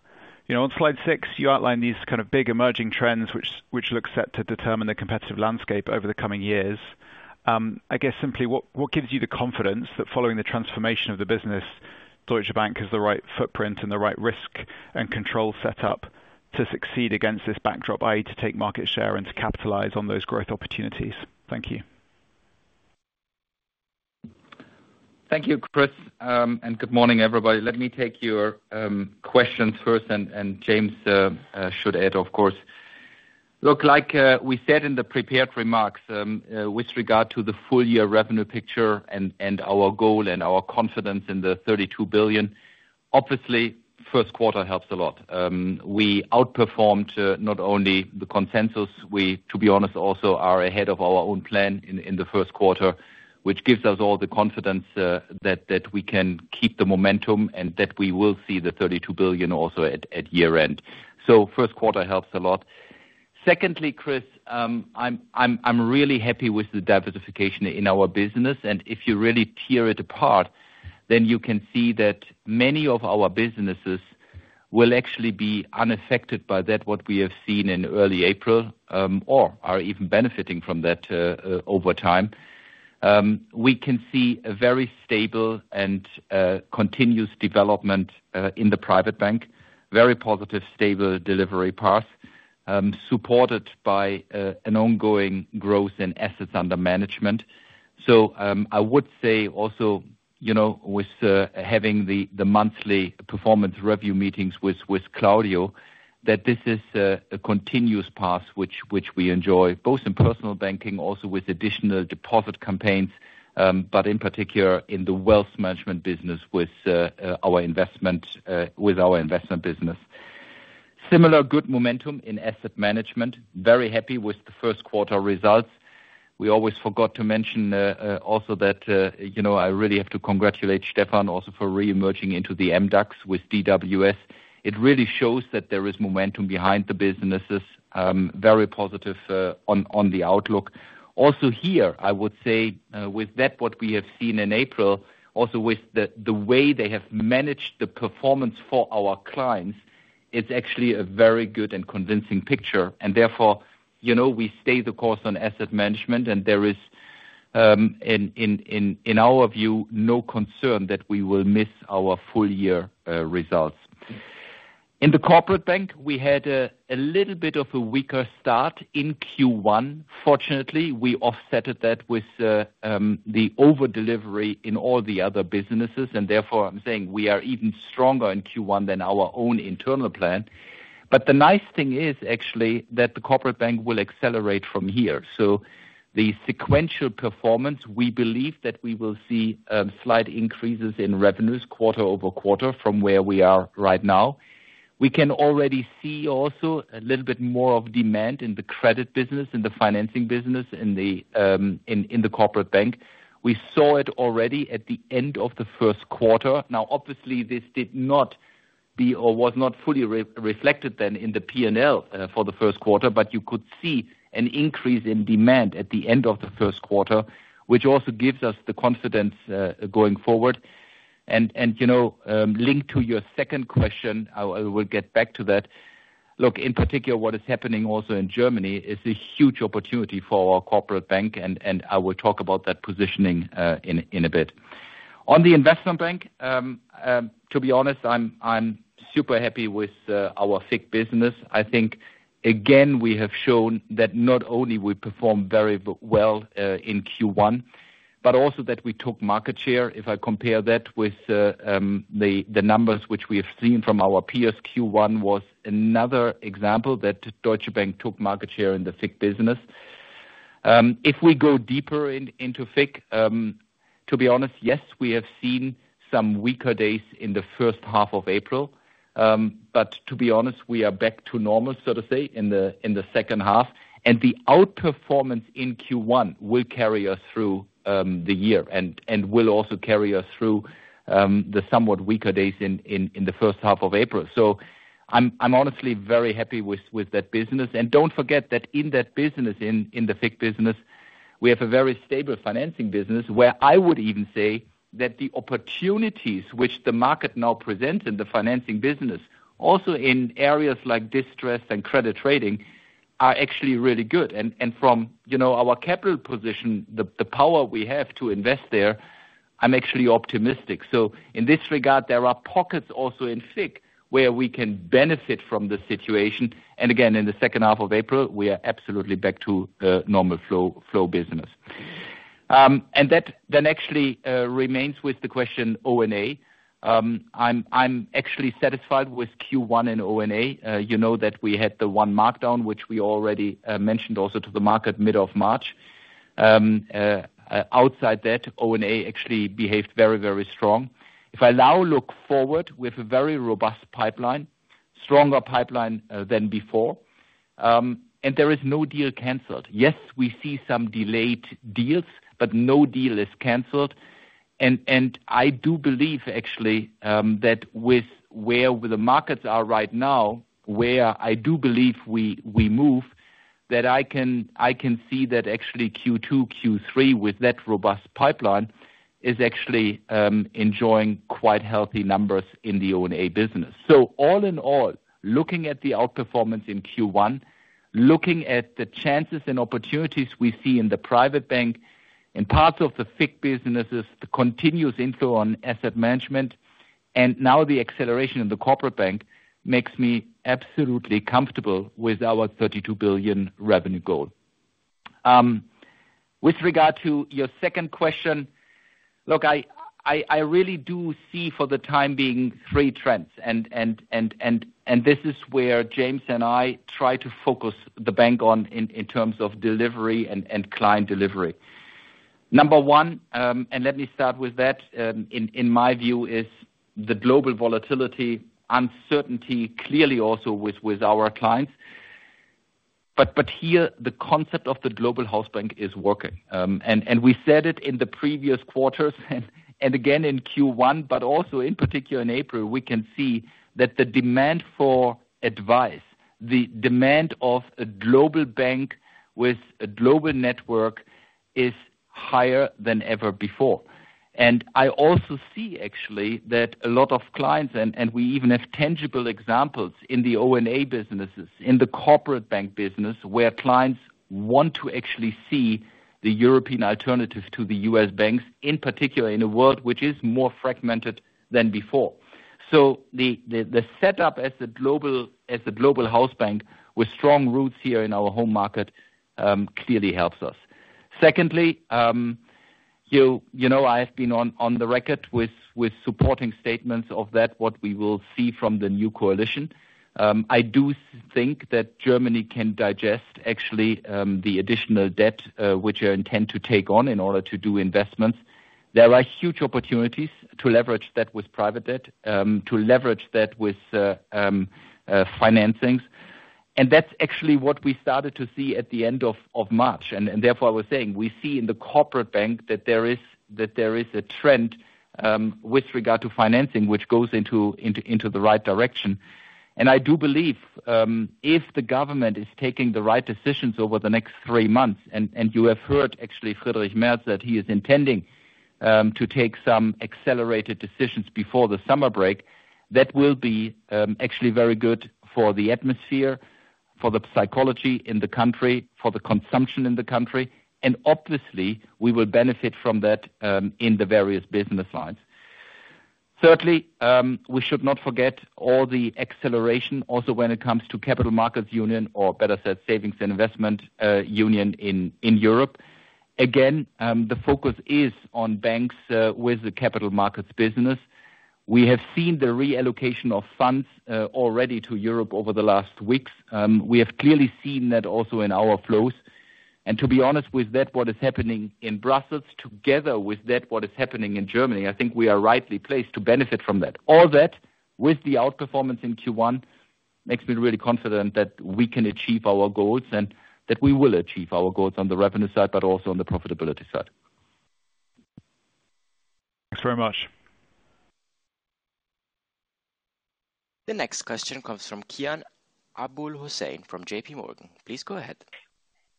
Speaker 5: on Slide six, you outline these kind of big emerging trends which look set to determine the competitive landscape over the coming years. I guess simply, what gives you the confidence that following the transformation of the business, Deutsche Bank has the right footprint and the right risk and control setup to succeed against this backdrop, i.e., to take market share and to capitalize on those growth opportunities? Thank you.
Speaker 3: Thank you, Chris, and good morning, everybody. Let me take your questions first, and James should add, of course. Look, like we said in the prepared remarks with regard to the full-year revenue picture and our goal and our confidence in the 32 billion, obviously, first quarter helps a lot. We outperformed not only the consensus, we, to be honest, also are ahead of our own plan in the first quarter, which gives us all the confidence that we can keep the momentum and that we will see the 32 billion also at year-end. First quarter helps a lot. Secondly, Chris, I'm really happy with the diversification in our business, and if you really tear it apart, then you can see that many of our businesses will actually be unaffected by that, what we have seen in early April, or are even benefiting from that over time. We can see a very stable and continuous development in the private bank, very positive, stable delivery path, supported by an ongoing growth in assets under management. I would say also, with having the monthly performance review meetings with Claudio, that this is a continuous path which we enjoy, both in personal banking, also with additional deposit campaigns, but in particular in the wealth management business with our investment business. Similar good momentum in asset management, very happy with the first quarter results. We always forgot to mention also that I really have to congratulate Stefan also for re-emerging into the MDAX with DWS. It really shows that there is momentum behind the businesses, very positive on the outlook. Also here, I would say, with that, what we have seen in April, also with the way they have managed the performance for our clients, it's actually a very good and convincing picture. Therefore, we stay the course on asset management, and there is, in our view, no concern that we will miss our full-year results. In the corporate bank, we had a little bit of a weaker start in Q1. Fortunately, we offset that with the overdelivery in all the other businesses, and therefore I'm saying we are even stronger in Q1 than our own internal plan. The nice thing is actually that the corporate bank will accelerate from here. The sequential performance, we believe that we will see slight increases in revenues quarter over quarter from where we are right now. We can already see also a little bit more of demand in the credit business, in the financing business, in the corporate bank. We saw it already at the end of the first quarter. Now, obviously, this did not be or was not fully reflected then in the P&L for the first quarter, but you could see an increase in demand at the end of the first quarter, which also gives us the confidence going forward. Linked to your second question, I will get back to that. Look, in particular, what is happening also in Germany is a huge opportunity for our corporate bank, and I will talk about that positioning in a bit. On the investment bank, to be honest, I'm super happy with our FIC business. I think, again, we have shown that not only we performed very well in Q1, but also that we took market share. If I compare that with the numbers which we have seen from our peers, Q1 was another example that Deutsche Bank took market share in the FIC business. If we go deeper into FIC, to be honest, yes, we have seen some weaker days in the first half of April, but to be honest, we are back to normal, so to say, in the second half. The outperformance in Q1 will carry us through the year and will also carry us through the somewhat weaker days in the first half of April. I am honestly very happy with that business. Do not forget that in that business, in the FIC business, we have a very stable financing business where I would even say that the opportunities which the market now presents in the financing business, also in areas like distress and credit trading, are actually really good. From our capital position, the power we have to invest there, I am actually optimistic. In this regard, there are pockets also in FIC where we can benefit from the situation. Again, in the second half of April, we are absolutely back to normal flow business. That then actually remains with the question O&A. I am actually satisfied with Q1 and O&A. You know that we had the one markdown, which we already mentioned also to the market mid of March. Outside that, O&A actually behaved very, very strong. If I now look forward with a very robust pipeline, stronger pipeline than before, and there is no deal canceled. Yes, we see some delayed deals, but no deal is canceled. I do believe actually that with where the markets are right now, where I do believe we move, that I can see that actually Q2, Q3 with that robust pipeline is actually enjoying quite healthy numbers in the O&A business. All in all, looking at the outperformance in Q1, looking at the chances and opportunities we see in the private bank, in parts of the FIC businesses, the continuous inflow on asset management, and now the acceleration in the corporate bank makes me absolutely comfortable with our 32 billion revenue goal. With regard to your second question, look, I really do see for the time being three trends, and this is where James and I try to focus the bank on in terms of delivery and client delivery. Number one, and let me start with that, in my view, is the global volatility, uncertainty, clearly also with our clients. Here, the concept of the global house bank is working. We said it in the previous quarters and again in Q1, also in particular in April, we can see that the demand for advice, the demand of a global bank with a global network is higher than ever before. I also see actually that a lot of clients, and we even have tangible examples in the O&A businesses, in the corporate bank business, where clients want to actually see the European alternative to the US banks, in particular in a world which is more fragmented than before. The setup as a global house bank with strong roots here in our home market clearly helps us. Secondly, I have been on the record with supporting statements of that, what we will see from the new coalition. I do think that Germany can digest actually the additional debt which you intend to take on in order to do investments. There are huge opportunities to leverage that with private debt, to leverage that with financings. That is actually what we started to see at the end of March. Therefore, I was saying we see in the corporate bank that there is a trend with regard to financing which goes into the right direction. I do believe if the government is taking the right decisions over the next three months, and you have heard actually Friedrich Merz that he is intending to take some accelerated decisions before the summer break, that will be actually very good for the atmosphere, for the psychology in the country, for the consumption in the country. Obviously, we will benefit from that in the various business lines. Thirdly, we should not forget all the acceleration also when it comes to capital markets union, or better said, savings and investment union in Europe. Again, the focus is on banks with the capital markets business. We have seen the reallocation of funds already to Europe over the last weeks. We have clearly seen that also in our flows. To be honest with that, what is happening in Brussels, together with that, what is happening in Germany, I think we are rightly placed to benefit from that. All that, with the outperformance in Q1, makes me really confident that we can achieve our goals and that we will achieve our goals on the revenue side, but also on the profitability side.
Speaker 5: Thanks very much.
Speaker 1: The next question comes from Kian AbouHossein from JP Morgan. Please go ahead.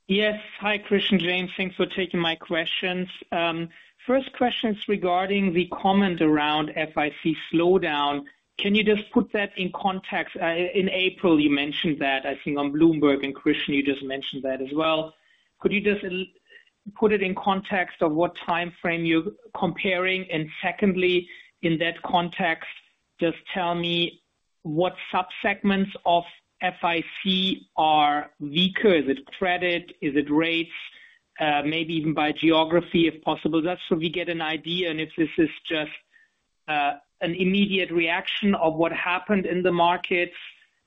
Speaker 6: Yes. Hi, Christian, James. Thanks for taking my questions. First question is regarding the comment around FIC slowdown. Can you just put that in context? In April, you mentioned that, I think, on Bloomberg, and Christian, you just mentioned that as well. Could you just put it in context of what time frame you're comparing? Secondly, in that context, just tell me what subsegments of FIC are weaker? Is it credit? Is it rates? Maybe even by geography, if possible? Just so we get an idea, and if this is just an immediate reaction of what happened in the markets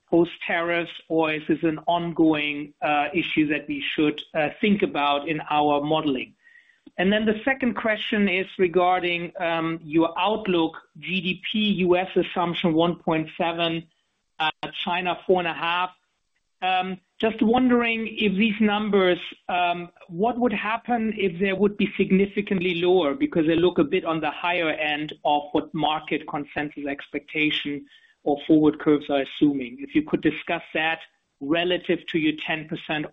Speaker 6: post-terrorists, or is this an ongoing issue that we should think about in our modeling? The second question is regarding your outlook: GDP, US assumption 1.7, China 4.5. Just wondering if these numbers, what would happen if they would be significantly lower? Because they look a bit on the higher end of what market consensus expectation or forward curves are assuming. If you could discuss that relative to your 10%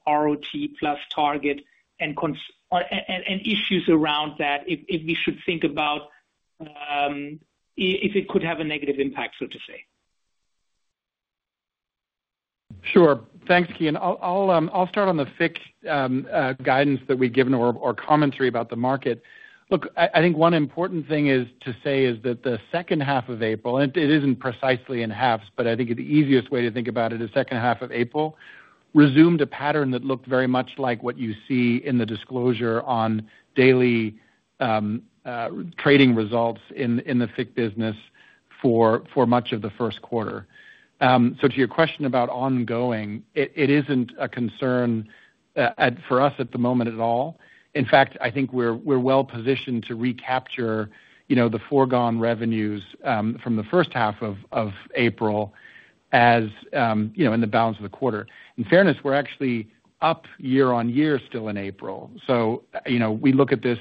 Speaker 6: ROT plus target and issues around that, if we should think about if it could have a negative impact, so to say.
Speaker 4: Sure. Thanks, Kian. I'll start on the FIC guidance that we give or commentary about the market. Look, I think one important thing to say is that the second half of April, and it isn't precisely in halves, but I think the easiest way to think about it is second half of April resumed a pattern that looked very much like what you see in the disclosure on daily trading results in the FIC business for much of the first quarter. To your question about ongoing, it isn't a concern for us at the moment at all. In fact, I think we're well positioned to recapture the foregone revenues from the first half of April as in the balance of the quarter. In fairness, we're actually up year on year still in April. We look at this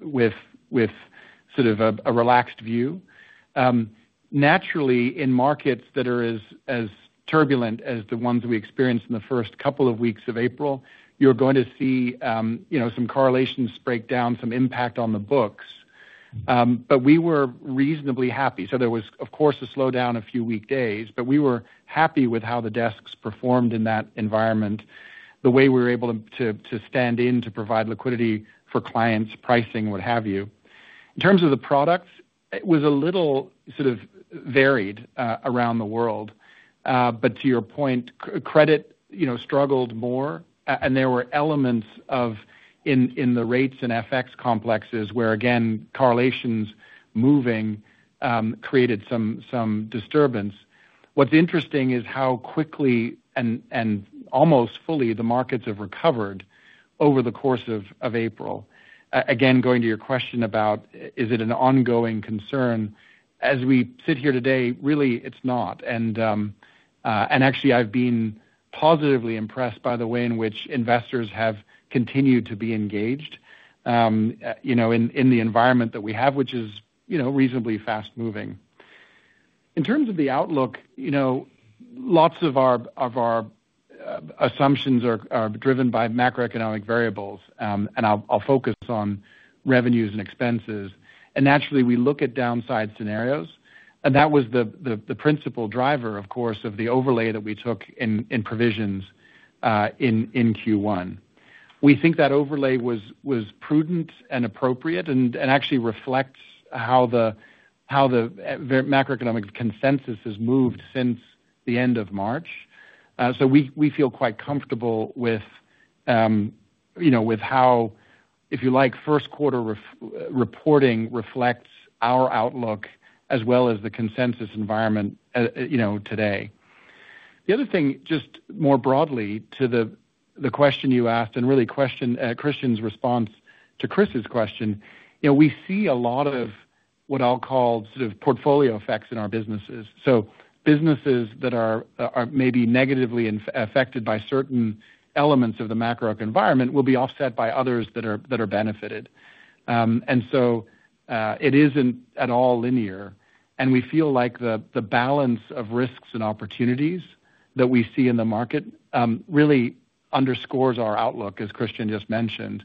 Speaker 4: with sort of a relaxed view. Naturally, in markets that are as turbulent as the ones we experienced in the first couple of weeks of April, you're going to see some correlations break down, some impact on the books. We were reasonably happy. There was, of course, a slowdown a few weekdays, but we were happy with how the desks performed in that environment, the way we were able to stand in to provide liquidity for clients, pricing, what have you. In terms of the products, it was a little sort of varied around the world. To your point, credit struggled more, and there were elements in the rates and FX complexes where, again, correlations moving created some disturbance. What's interesting is how quickly and almost fully the markets have recovered over the course of April. Again, going to your question about is it an ongoing concern, as we sit here today, really it's not. Actually, I've been positively impressed by the way in which investors have continued to be engaged in the environment that we have, which is reasonably fast-moving. In terms of the outlook, lots of our assumptions are driven by macroeconomic variables, and I'll focus on revenues and expenses. Naturally, we look at downside scenarios, and that was the principal driver, of course, of the overlay that we took in provisions in Q1. We think that overlay was prudent and appropriate and actually reflects how the macroeconomic consensus has moved since the end of March. We feel quite comfortable with how, if you like, first quarter reporting reflects our outlook as well as the consensus environment today. The other thing, just more broadly to the question you asked and really Christian's response to Chris's question, we see a lot of what I'll call sort of portfolio effects in our businesses. So businesses that are maybe negatively affected by certain elements of the macroeconomic environment will be offset by others that are benefited. It isn't at all linear. We feel like the balance of risks and opportunities that we see in the market really underscores our outlook, as Christian just mentioned.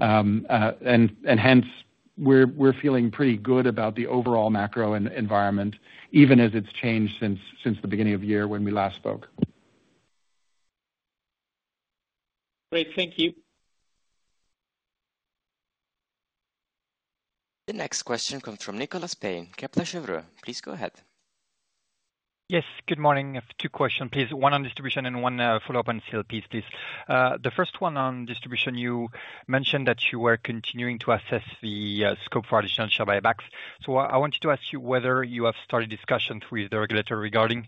Speaker 4: Hence, we're feeling pretty good about the overall macro environment, even as it's changed since the beginning of the year when we last spoke.
Speaker 6: Great. Thank you.
Speaker 1: The next question comes from Nicolas Payen, Kepler Cheuvreux. Please go ahead.
Speaker 7: Yes. Good morning. Two questions, please. One on distribution and one follow-up on CLPs, please. The first one on distribution, you mentioned that you were continuing to assess the scope for additional share buybacks. I wanted to ask you whether you have started discussions with the regulator regarding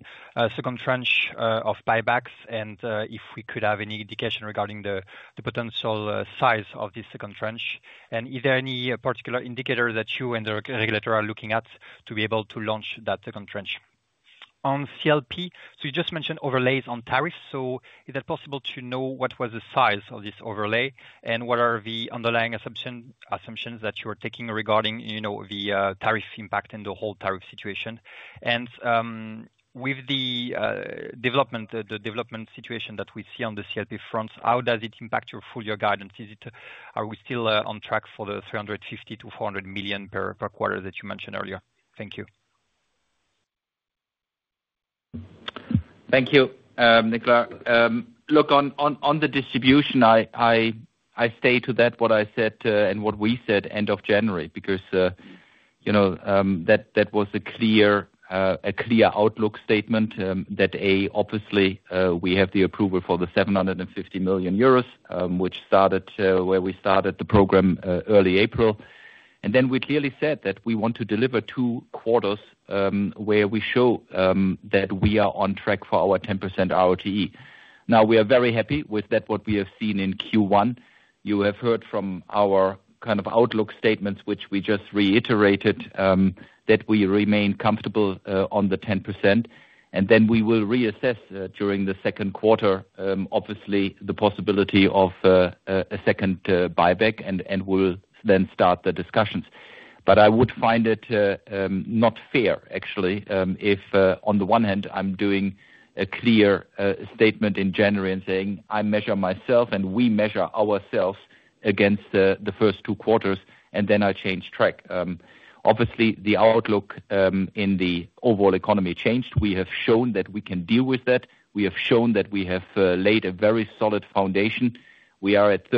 Speaker 7: second tranche of buybacks and if we could have any indication regarding the potential size of this second tranche. Is there any particular indicator that you and the regulator are looking at to be able to launch that second tranche? On CLP, you just mentioned overlays on tariffs. Is it possible to know what was the size of this overlay and what are the underlying assumptions that you are taking regarding the tariff impact and the whole tariff situation? With the development situation that we see on the CLP fronts, how does it impact your full year guidance? Are we still on track for the 350 million-400 million per quarter that you mentioned earlier? Thank you.
Speaker 3: Thank you, Nicolas. Look, on the distribution, I stay to that, what I said and what we said end of January, because that was a clear outlook statement that, A, obviously, we have the approval for the 750 million euros, which started where we started the program early April. We clearly said that we want to deliver two quarters where we show that we are on track for our 10% RoTE. Now, we are very happy with that, what we have seen in Q1. You have heard from our kind of outlook statements, which we just reiterated, that we remain comfortable on the 10%. We will reassess during the second quarter, obviously, the possibility of a second buyback, and we'll then start the discussions. I would find it not fair, actually, if on the one hand, I'm doing a clear statement in January and saying, "I measure myself and we measure ourselves against the first two quarters," and then I change track. Obviously, the outlook in the overall economy changed. We have shown that we can deal with that. We have shown that we have laid a very solid foundation. We are at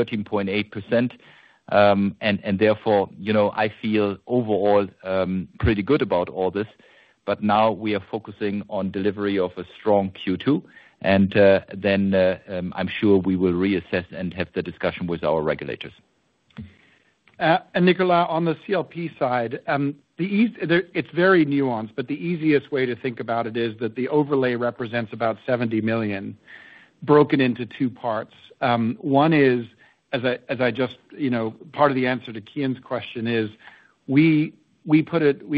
Speaker 3: 13.8%. Therefore, I feel overall pretty good about all this. Now we are focusing on delivery of a strong Q2. I am sure we will reassess and have the discussion with our regulators.
Speaker 4: Nicolas, on the CLP side, it is very nuanced, but the easiest way to think about it is that the overlay represents about 70 million broken into two parts. One is, as I just part of the answer to Kian's question, we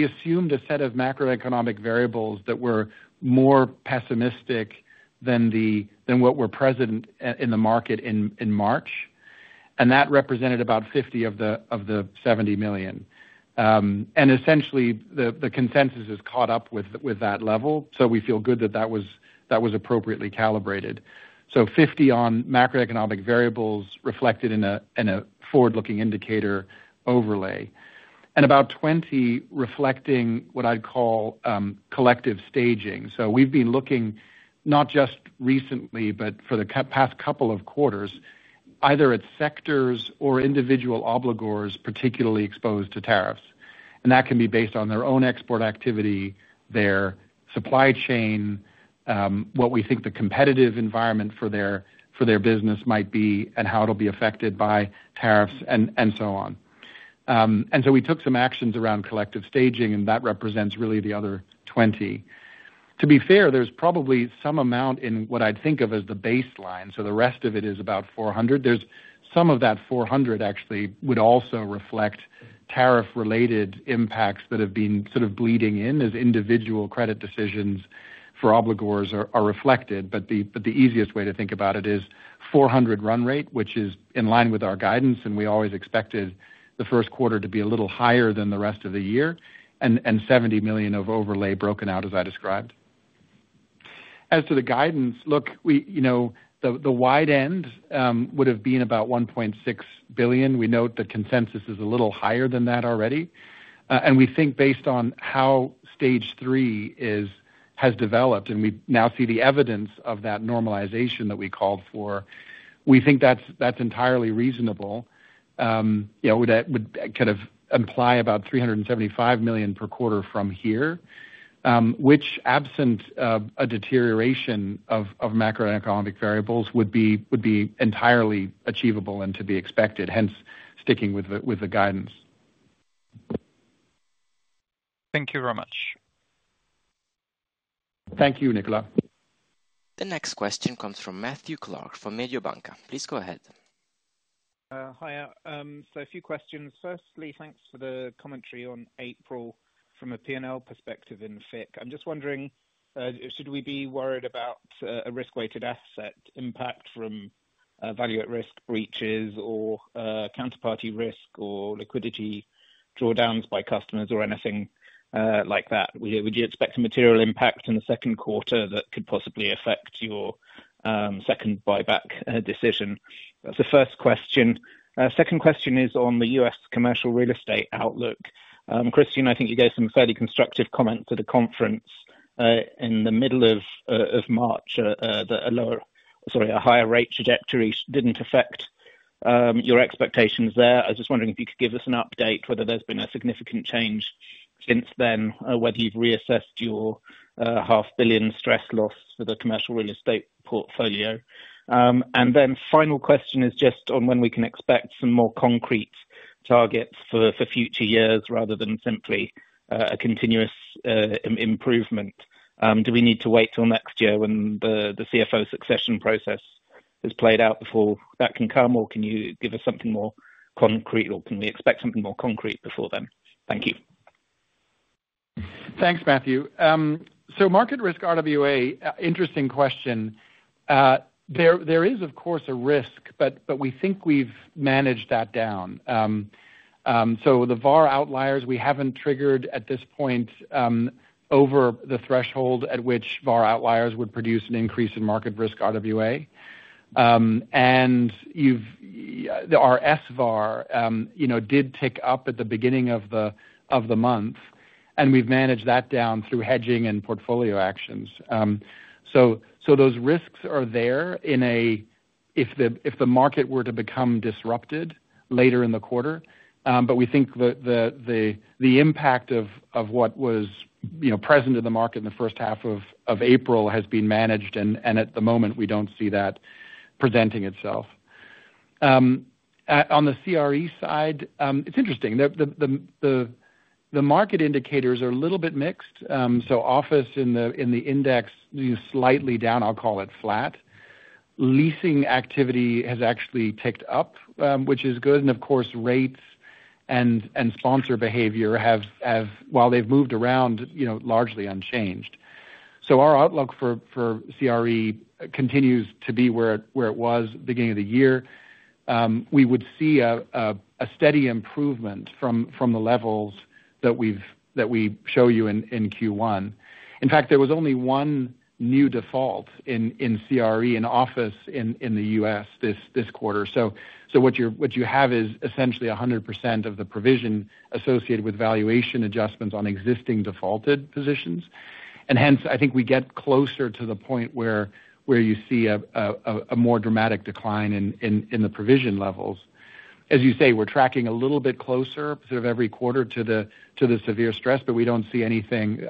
Speaker 4: assumed a set of macroeconomic variables that were more pessimistic than what were present in the market in March. That represented about 50 million of the 70 million. Essentially, the consensus has caught up with that level. We feel good that that was appropriately calibrated. 50 million on macroeconomic variables reflected in a forward-looking indicator overlay, and about 20 million reflecting what I'd call collective staging. We've been looking not just recently, but for the past couple of quarters, either at sectors or individual obligors particularly exposed to tariffs. That can be based on their own export activity, their supply chain, what we think the competitive environment for their business might be, and how it'll be affected by tariffs, and so on. We took some actions around collective staging, and that represents really the other 20 million. To be fair, there is probably some amount in what I would think of as the baseline. The rest of it is about 400 million. Some of that 400 million actually would also reflect tariff-related impacts that have been sort of bleeding in as individual credit decisions for obligors are reflected. The easiest way to think about it is 400 million run rate, which is in line with our guidance, and we always expected the first quarter to be a little higher than the rest of the year, and 70 million of overlay broken out, as I described. As to the guidance, the wide end would have been about 1.6 billion. We note the consensus is a little higher than that already. We think based on how stage three has developed, and we now see the evidence of that normalization that we called for, we think that's entirely reasonable. It would kind of imply about 375 million per quarter from here, which, absent a deterioration of macroeconomic variables, would be entirely achievable and to be expected, hence sticking with the guidance.
Speaker 7: Thank you very much.
Speaker 3: Thank you, Nicolas.
Speaker 1: The next question comes from Matthew Clark from Mediobanca. Please go ahead.
Speaker 8: Hi. A few questions. Firstly, thanks for the commentary on April from a P&L perspective in FIC. I'm just wondering, should we be worried about a risk-weighted asset impact from value at risk breaches or counterparty risk or liquidity drawdowns by customers or anything like that? Would you expect a material impact in the second quarter that could possibly affect your second buyback decision? That's the first question. Second question is on the U.S. commercial real estate outlook. Christian, I think you gave some fairly constructive comments at a conference in the middle of March. Sorry, a higher rate trajectory did not affect your expectations there. I was just wondering if you could give us an update whether there has been a significant change since then, whether you have reassessed your $500,000,000 stress loss for the commercial real estate portfolio. Final question is just on when we can expect some more concrete targets for future years rather than simply a continuous improvement. Do we need to wait till next year when the CFO succession process has played out before that can come, or can you give us something more concrete, or can we expect something more concrete before then? Thank you.
Speaker 4: Thanks, Matthew. Market risk RWA, interesting question. There is, of course, a risk, but we think we've managed that down. The VaR outliers, we haven't triggered at this point over the threshold at which VaR outliers would produce an increase in market risk RWA. Our SVaR did tick up at the beginning of the month, and we've managed that down through hedging and portfolio actions. Those risks are there if the market were to become disrupted later in the quarter. We think the impact of what was present in the market in the first half of April has been managed, and at the moment, we don't see that presenting itself. On the CRE side, it's interesting. The market indicators are a little bit mixed. Office in the index slightly down, I'll call it flat. Leasing activity has actually ticked up, which is good. Of course, rates and sponsor behavior, while they've moved around, are largely unchanged. Our outlook for CRE continues to be where it was at the beginning of the year. We would see a steady improvement from the levels that we show you in Q1. In fact, there was only one new default in CRE in office in the U.S. this quarter. What you have is essentially 100% of the provision associated with valuation adjustments on existing defaulted positions. Hence, I think we get closer to the point where you see a more dramatic decline in the provision levels. As you say, we're tracking a little bit closer sort of every quarter to the severe stress, but we do not see anything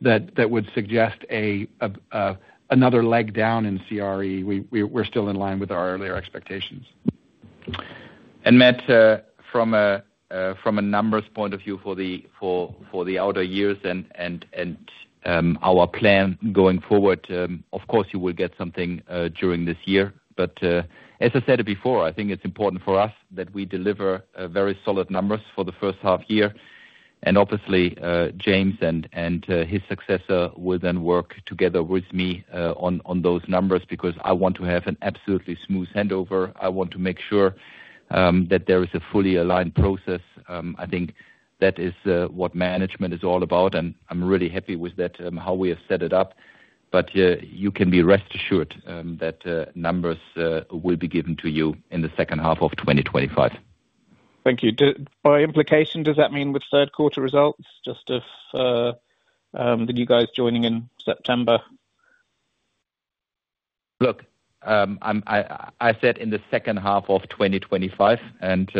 Speaker 4: that would suggest another leg down in CRE. We are still in line with our earlier expectations.
Speaker 3: Matt, from a numbers point of view for the outer years and our plan going forward, of course, you will get something during this year. As I said before, I think it's important for us that we deliver very solid numbers for the first half year. Obviously, James and his successor will then work together with me on those numbers because I want to have an absolutely smooth handover. I want to make sure that there is a fully aligned process. I think that is what management is all about, and I'm really happy with how we have set it up. You can be rest assured that numbers will be given to you in the second half of 2025.
Speaker 8: Thank you. By implication, does that mean with third quarter results, just if the new guys joining in September?
Speaker 3: Look, I said in the second half of 2025, and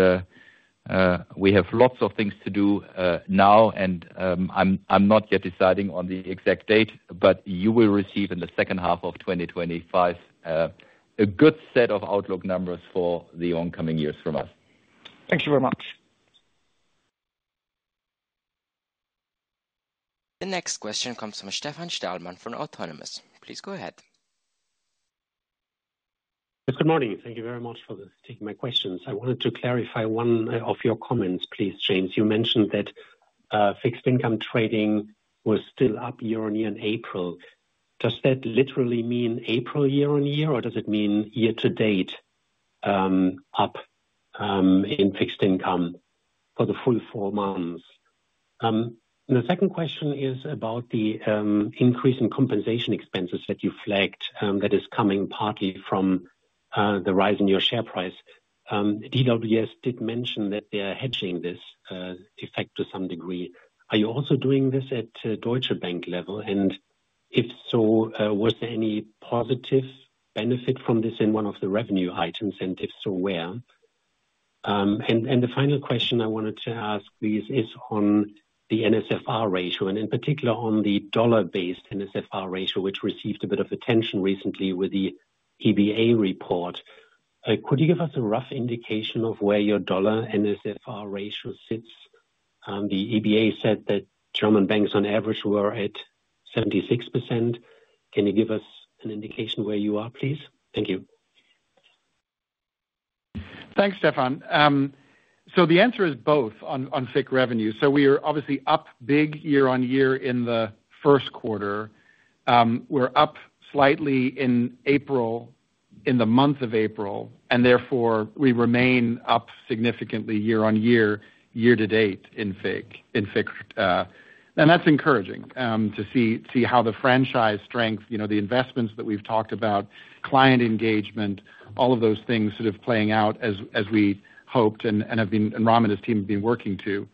Speaker 3: we have lots of things to do now, and I'm not yet deciding on the exact date, but you will receive in the second half of 2025 a good set of outlook numbers for the oncoming years from us.
Speaker 8: Thank you very much.
Speaker 1: The next question comes from Stefan Stalmann from Autonomous. Please go ahead.
Speaker 9: Good morning. Thank you very much for taking my questions. I wanted to clarify one of your comments, please, James. You mentioned that fixed income trading was still up year on year in April. Does that literally mean April year on year, or does it mean year to date up in fixed income for the full four months? The second question is about the increase in compensation expenses that you flagged that is coming partly from the rise in your share price. DWS did mention that they are hedging this effect to some degree. Are you also doing this at Deutsche Bank level? If so, was there any positive benefit from this in one of the revenue items, and if so, where? The final question I wanted to ask is on the NSFR ratio, and in particular on the dollar-based NSFR ratio, which received a bit of attention recently with the EBA report. Could you give us a rough indication of where your dollar NSFR ratio sits? The EBA said that German banks on average were at 76%. Can you give us an indication where you are, please? Thank you.
Speaker 4: Thanks, Stefan. The answer is both on FIC revenue. We are obviously up big year on year in the first quarter. We're up slightly in April, in the month of April, and therefore we remain up significantly year on year, year to date in FIC. That's encouraging to see how the franchise strength, the investments that we've talked about, client engagement, all of those things sort of playing out as we hoped and Ram and his team have been working to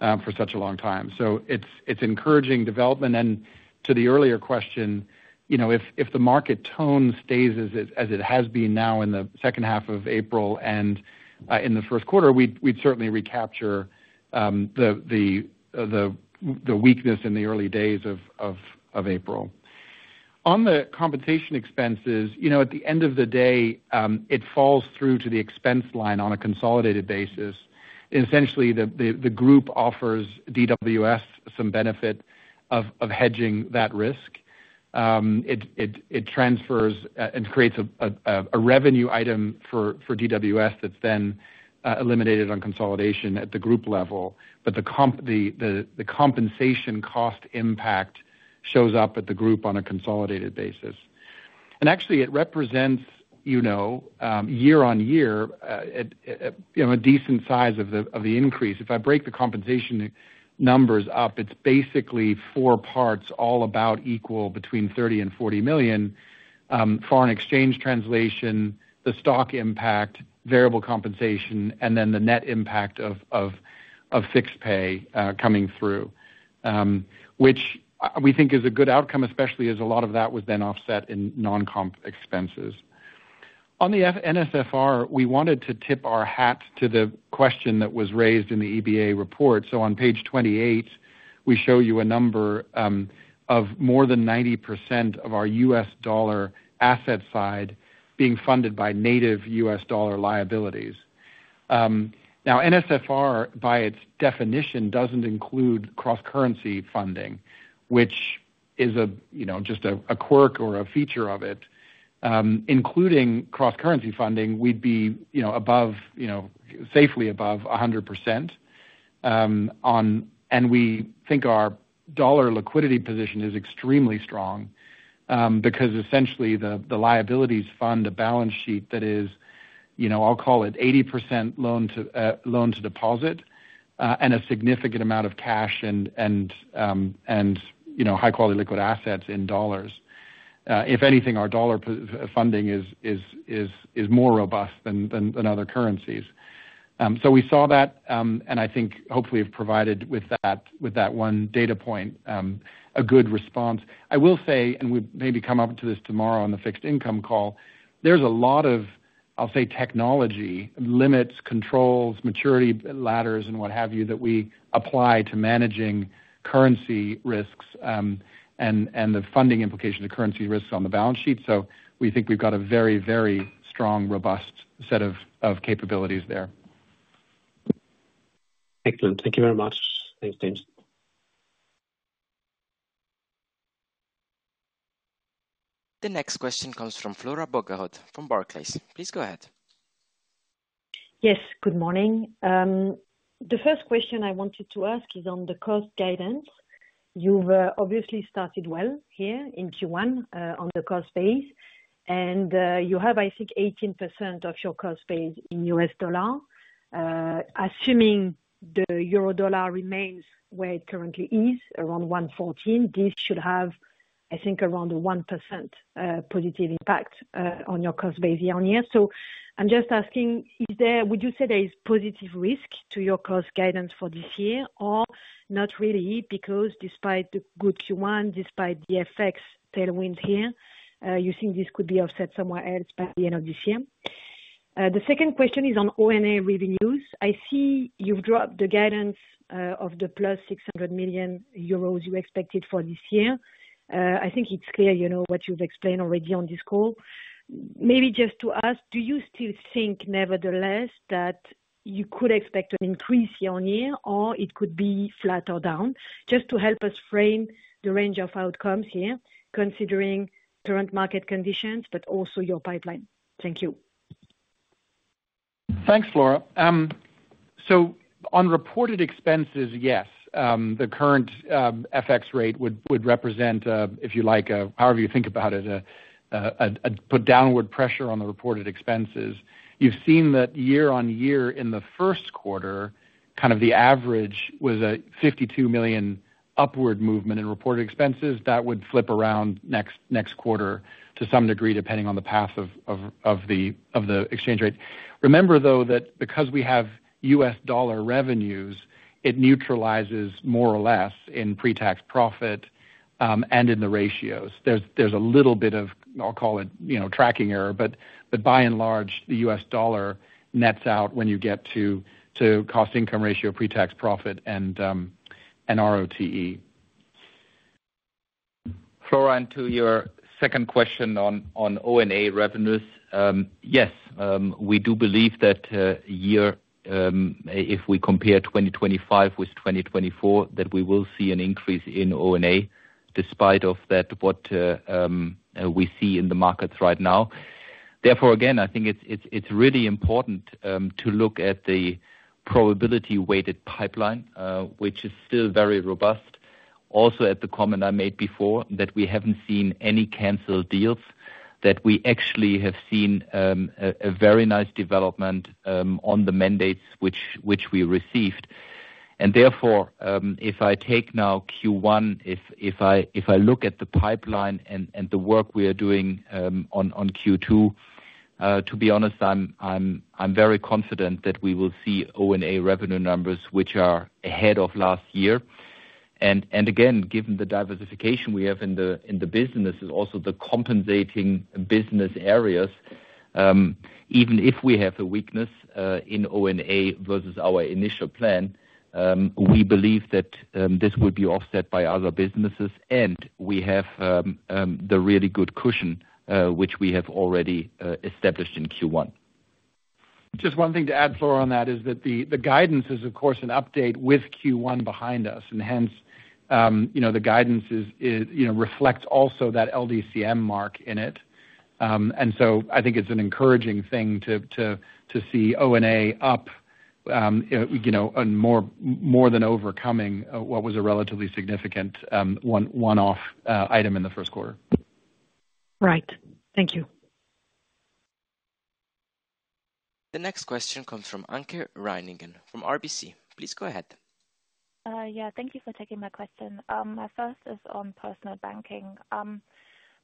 Speaker 4: for such a long time. It's encouraging development. To the earlier question, if the market tone stays as it has been now in the second half of April and in the first quarter, we'd certainly recapture the weakness in the early days of April. On the compensation expenses, at the end of the day, it falls through to the expense line on a consolidated basis. Essentially, the group offers DWS some benefit of hedging that risk. It transfers and creates a revenue item for DWS that's then eliminated on consolidation at the group level. The compensation cost impact shows up at the group on a consolidated basis. Actually, it represents year on year a decent size of the increase. If I break the compensation numbers up, it's basically four parts all about equal between 30 million-40 million, foreign exchange translation, the stock impact, variable compensation, and then the net impact of fixed pay coming through, which we think is a good outcome, especially as a lot of that was then offset in non-comp expenses. On the NSFR, we wanted to tip our hat to the question that was raised in the EBA report. On page 28, we show you a number of more than 90% of our US dollar asset side being funded by native US dollar liabilities. Now, NSFR, by its definition, doesn't include cross-currency funding, which is just a quirk or a feature of it. Including cross-currency funding, we'd be safely above 100%. We think our dollar liquidity position is extremely strong because essentially the liabilities fund a balance sheet that is, I'll call it 80% loan to deposit and a significant amount of cash and high-quality liquid assets in dollars. If anything, our dollar funding is more robust than other currencies. We saw that, and I think hopefully have provided with that one data point a good response. I will say, and we maybe come up to this tomorrow on the fixed income call, there's a lot of, I'll say, technology, limits, controls, maturity ladders, and what have you that we apply to managing currency risks and the funding implications of currency risks on the balance sheet. We think we've got a very, very strong, robust set of capabilities there.
Speaker 9: Excellent. Thank you very much. Thanks, James.
Speaker 1: The next question comes from Flora Bocahut from Barclays. Please go ahead.
Speaker 10: Yes, good morning. The first question I wanted to ask is on the cost guidance. You've obviously started well here in Q1 on the cost base. You have, I think, 18% of your cost base in US dollar. Assuming the euro dollar remains where it currently is, around 1.14, this should have, I think, around 1% positive impact on your cost base year on year. I'm just asking, would you say there is positive risk to your cost guidance for this year or not really? Because despite the good Q1, despite the FX tailwinds here, you think this could be offset somewhere else by the end of this year? The second question is on ONA revenues. I see you've dropped the guidance of the plus 600 million euros you expected for this year. I think it's clear what you've explained already on this call. Maybe just to ask, do you still think nevertheless that you could expect an increase year on year or it could be flat or down? Just to help us frame the range of outcomes here, considering current market conditions, but also your pipeline. Thank you.
Speaker 4: Thanks, Flora. On reported expenses, yes, the current FX rate would represent, if you like, however you think about it, put downward pressure on the reported expenses. You've seen that year on year in the first quarter, kind of the average was a 52 million upward movement in reported expenses. That would flip around next quarter to some degree, depending on the path of the exchange rate. Remember, though, that because we have US dollar revenues, it neutralizes more or less in pre-tax profit and in the ratios. There's a little bit of, I'll call it tracking error, but by and large, the US dollar nets out when you get to cost income ratio, pre-tax profit, and RoTE.
Speaker 3: Flora, to your second question on ONA revenues, yes, we do believe that if we compare 2025 with 2024, that we will see an increase in ONA despite of that what we see in the markets right now. Therefore, again, I think it's really important to look at the probability-weighted pipeline, which is still very robust. Also at the comment I made before, that we haven't seen any canceled deals, that we actually have seen a very nice development on the mandates which we received. Therefore, if I take now Q1, if I look at the pipeline and the work we are doing on Q2, to be honest, I'm very confident that we will see ONA revenue numbers which are ahead of last year. Again, given the diversification we have in the business, also the compensating business areas, even if we have a weakness in ONA versus our initial plan, we believe that this would be offset by other businesses, and we have the really good cushion which we have already established in Q1.
Speaker 4: Just one thing to add, Flora, on that is that the guidance is, of course, an update with Q1 behind us, and hence the guidance reflects also that LDCM mark in it. I think it's an encouraging thing to see ONA up and more than overcoming what was a relatively significant one-off item in the first quarter.
Speaker 10: Right. Thank you.
Speaker 1: The next question comes from Anke Reingen from RBC. Please go ahead.
Speaker 11: Yeah, thank you for taking my question. My first is on personal banking.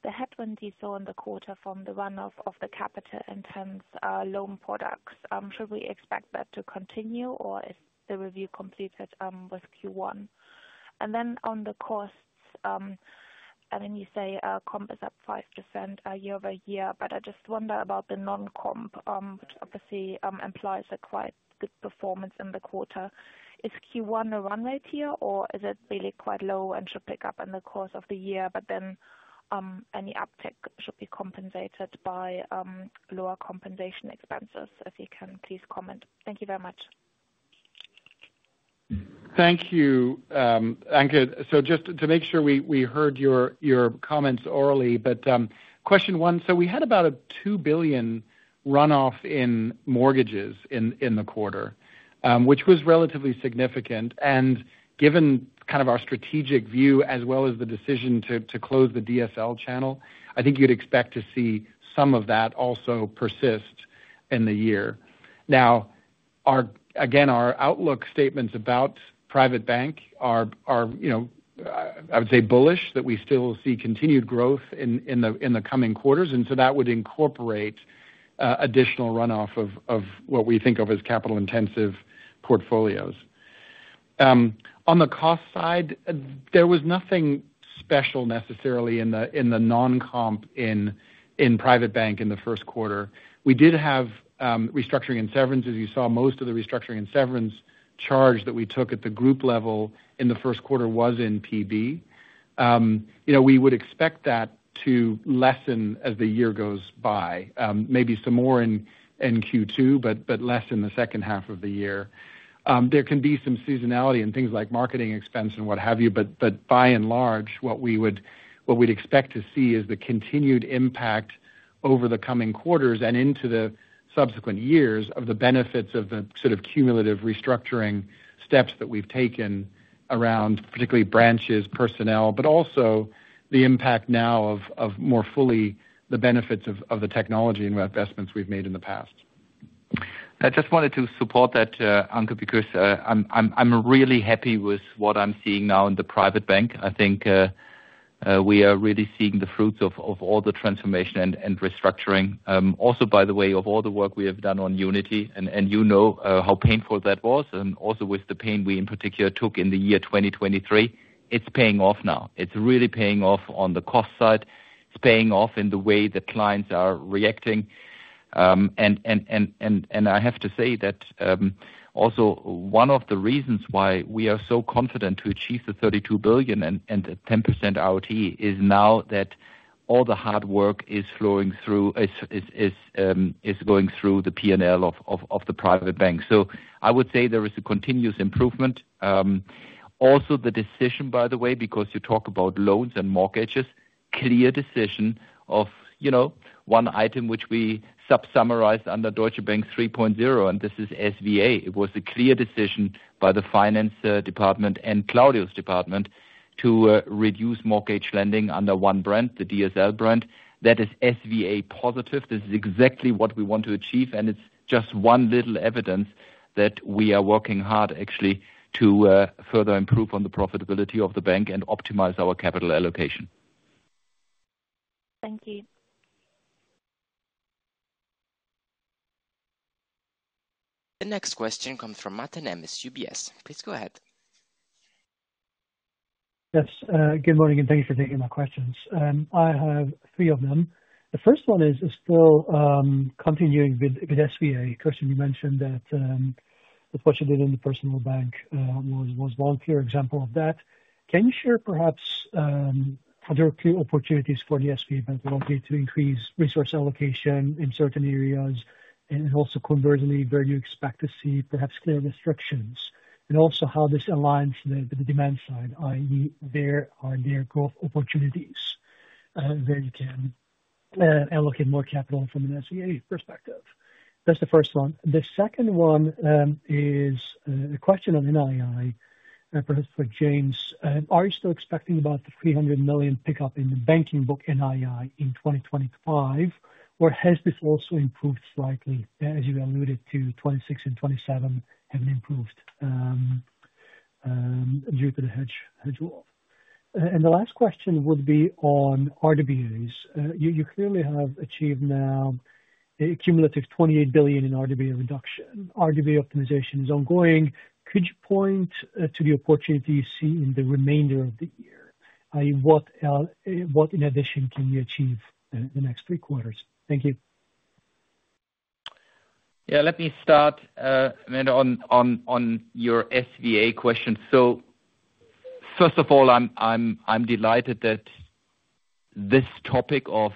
Speaker 11: The headwind we saw in the quarter from the runoff of the capital-intense loan products, should we expect that to continue or is the review completed with Q1? I mean, you say comp is up 5% year over year, but I just wonder about the non-comp, which obviously employers are quite good performance in the quarter. Is Q1 a run rate here or is it really quite low and should pick up in the course of the year, but then any uptick should be compensated by lower compensation expenses? If you can, please comment. Thank you very much.
Speaker 4: Thank you, Anke. Just to make sure we heard your comments orally, but question one, we had about 2 billion runoff in mortgages in the quarter, which was relatively significant. Given kind of our strategic view as well as the decision to close the DSL channel, I think you'd expect to see some of that also persist in the year. Again, our outlook statements about private bank are, I would say, bullish that we still see continued growth in the coming quarters. That would incorporate additional runoff of what we think of as capital-intensive portfolios. On the cost side, there was nothing special necessarily in the non-comp in private bank in the first quarter. We did have restructuring and severance, as you saw, most of the restructuring and severance charge that we took at the group level in the first quarter was in PB. We would expect that to lessen as the year goes by, maybe some more in Q2, but less in the second half of the year. There can be some seasonality in things like marketing expense and what have you, but by and large, what we would expect to see is the continued impact over the coming quarters and into the subsequent years of the benefits of the sort of cumulative restructuring steps that we've taken around particularly branches, personnel, but also the impact now of more fully the benefits of the technology and investments we've made in the past.
Speaker 3: I just wanted to support that, Anke, because I'm really happy with what I'm seeing now in the private bank. I think we are really seeing the fruits of all the transformation and restructuring. Also, by the way, of all the work we have done on Unity, and you know how painful that was, and also with the pain we in particular took in the year 2023, it's paying off now. It's really paying off on the cost side. It's paying off in the way that clients are reacting. I have to say that also one of the reasons why we are so confident to achieve the 32 billion and 10% RoTE is now that all the hard work is flowing through, is going through the P&L of the private bank. I would say there is a continuous improvement. Also, the decision, by the way, because you talk about loans and mortgages, clear decision of one item which we subsummarized under Deutsche Bank 3.0, and this is SVA. It was a clear decision by the finance department and Claudio's department to reduce mortgage lending under one brand, the DSL brand. That is SVA positive. This is exactly what we want to achieve, and it's just one little evidence that we are working hard actually to further improve on the profitability of the bank and optimize our capital allocation.
Speaker 11: Thank you.
Speaker 1: The next question comes from Mate Nemes, UBS. Please go ahead.
Speaker 12: Yes. Good morning and thank you for taking my questions. I have three of them. The first one is still continuing with SVA. Christian, you mentioned that what you did in the personal bank was a volunteer example of that. Can you share perhaps other key opportunities for the SVA that will help you to increase resource allocation in certain areas and also conversely, where you expect to see perhaps clear restrictions? Also how this aligns with the demand side, i.e., are there growth opportunities where you can allocate more capital from an SVA perspective. That is the first one. The second one is a question on NII, perhaps for James. Are you still expecting about the 300 million pickup in the banking book NII in 2025, or has this also improved slightly, as you alluded to, 2026 and 2027 have not improved due to the hedge rule. The last question would be on RWAs. You clearly have achieved now a cumulative 28 billion in RWA reduction. RWA optimization is ongoing. Could you point to the opportunity you see in the remainder of the year. What in addition can you achieve in the next three quarters. Thank you.
Speaker 3: Let me start on your SVA question. First of all, I'm delighted that this topic of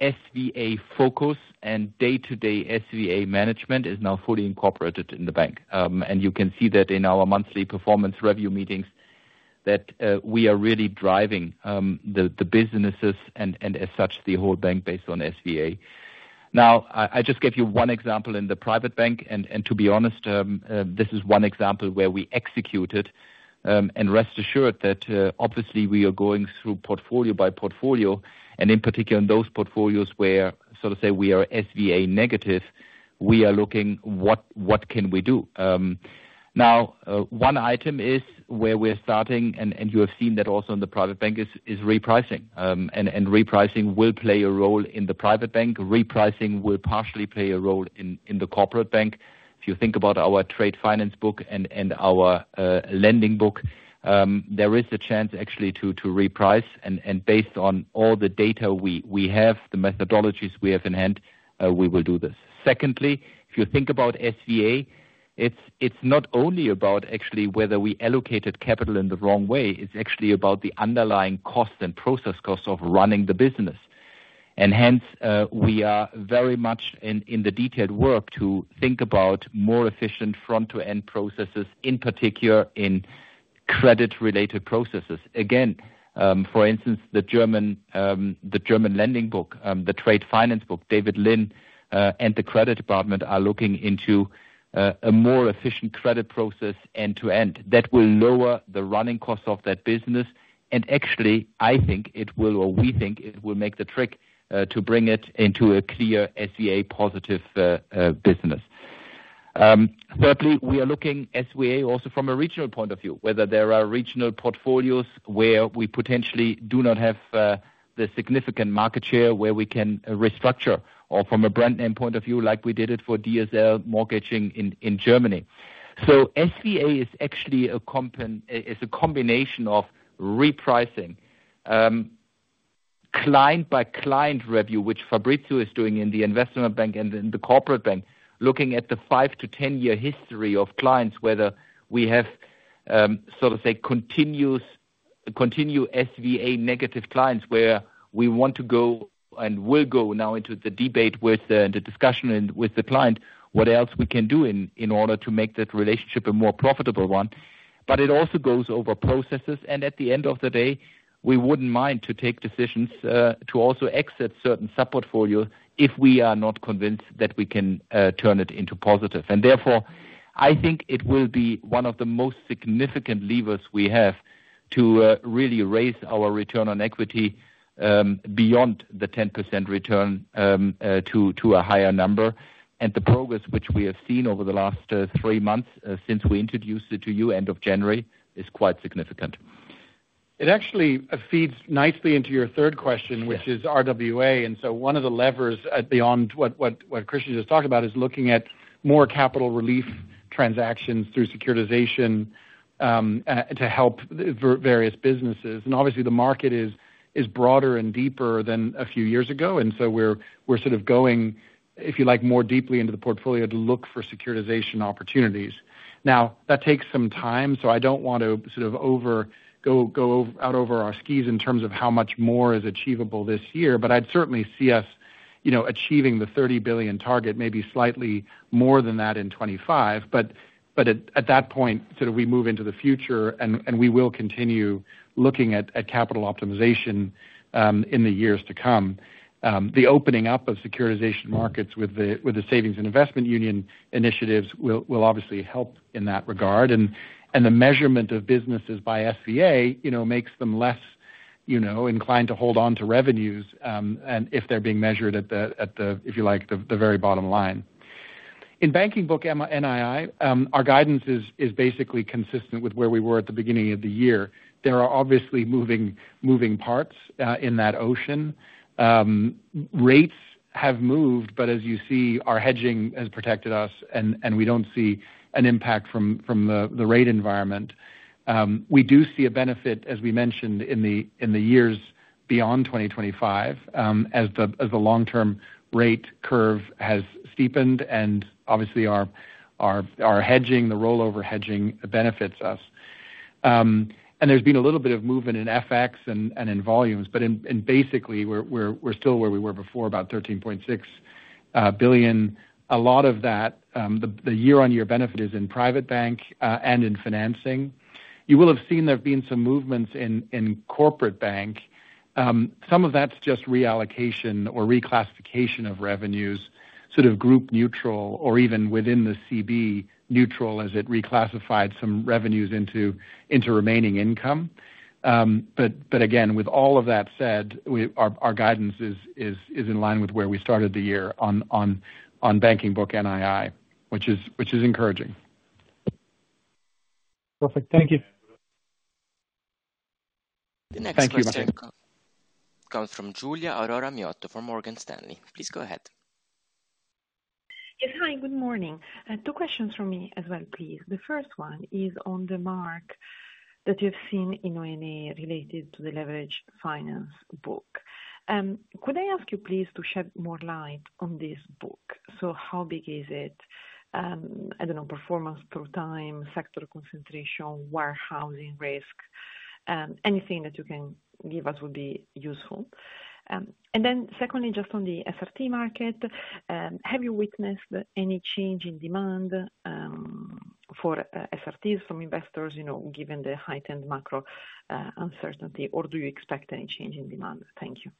Speaker 3: SVA focus and day-to-day SVA management is now fully incorporated in the bank. You can see that in our monthly performance review meetings that we are really driving the businesses and as such the whole bank based on SVA. I just gave you one example in the private bank, and to be honest, this is one example where we executed and rest assured that obviously we are going through portfolio by portfolio, and in particular in those portfolios where, sort of say, we are SVA negative, we are looking what can we do. One item is where we're starting, and you have seen that also in the private bank, is repricing. Repricing will play a role in the private bank. Repricing will partially play a role in the corporate bank. If you think about our trade finance book and our lending book, there is a chance actually to reprice. Based on all the data we have, the methodologies we have in hand, we will do this. Secondly, if you think about SVA, it's not only about actually whether we allocated capital in the wrong way. It's actually about the underlying cost and process cost of running the business. Hence, we are very much in the detailed work to think about more efficient front-to-end processes, in particular in credit-related processes. Again, for instance, the German lending book, the trade finance book, David Lin and the credit department are looking into a more efficient credit process end-to-end that will lower the running cost of that business. Actually, I think it will, or we think it will make the trick to bring it into a clear SVA positive business. Thirdly, we are looking SVA also from a regional point of view, whether there are regional portfolios where we potentially do not have the significant market share where we can restructure or from a brand name point of view like we did it for DSL mortgaging in Germany. SVA is actually a combination of repricing, client-by-client review, which Fabrizio is doing in the investment bank and in the corporate bank, looking at the 5- to 10-year history of clients, whether we have sort of say continuous SVA negative clients where we want to go and will go now into the debate with the discussion with the client, what else we can do in order to make that relationship a more profitable one. It also goes over processes. At the end of the day, we would not mind to take decisions to also exit certain sub-portfolios if we are not convinced that we can turn it into positive. Therefore, I think it will be one of the most significant levers we have to really raise our return on equity beyond the 10% return to a higher number. The progress which we have seen over the last three months since we introduced it to you end of January is quite significant.
Speaker 4: It actually feeds nicely into your third question, which is RWA. One of the levers beyond what Christian just talked about is looking at more capital relief transactions through securitization to help various businesses. Obviously, the market is broader and deeper than a few years ago. We're sort of going, if you like, more deeply into the portfolio to look for securitization opportunities. That takes some time, so I don't want to sort of go out over our skis in terms of how much more is achievable this year, but I'd certainly see us achieving the 30 billion target, maybe slightly more than that in 2025. At that point, sort of we move into the future, and we will continue looking at capital optimization in the years to come. The opening up of securitization markets with the Savings and Investment Union initiatives will obviously help in that regard. The measurement of businesses by SVA makes them less inclined to hold on to revenues if they're being measured at the, if you like, the very bottom line. In banking book NII, our guidance is basically consistent with where we were at the beginning of the year. There are obviously moving parts in that ocean. Rates have moved, but as you see, our hedging has protected us, and we do not see an impact from the rate environment. We do see a benefit, as we mentioned, in the years beyond 2025, as the long-term rate curve has steepened, and obviously our hedging, the rollover hedging, benefits us. There has been a little bit of movement in FX and in volumes, but basically, we are still where we were before, about 13.6 billion. A lot of that, the year-on-year benefit is in private bank and in financing. You will have seen there have been some movements in corporate bank. Some of that's just reallocation or reclassification of revenues, sort of group neutral or even within the CB neutral as it reclassified some revenues into remaining income. With all of that said, our guidance is in line with where we started the year on banking book NII, which is encouraging.
Speaker 12: Perfect. Thank you.
Speaker 1: The next question comes from Giulia Aurora Miotto from Morgan Stanley. Please go ahead.
Speaker 13: Yes. Hi. Good morning. Two questions for me as well, please. The first one is on the mark that you have seen in ONA related to the leverage finance book. Could I ask you, please, to shed more light on this book? How big is it? I do not know, performance through time, sector concentration, warehousing risk, anything that you can give us would be useful. Then secondly, just on the SRT market, have you witnessed any change in demand for SRTs from investors, given the heightened macro uncertainty, or do you expect any change in demand? Thank you.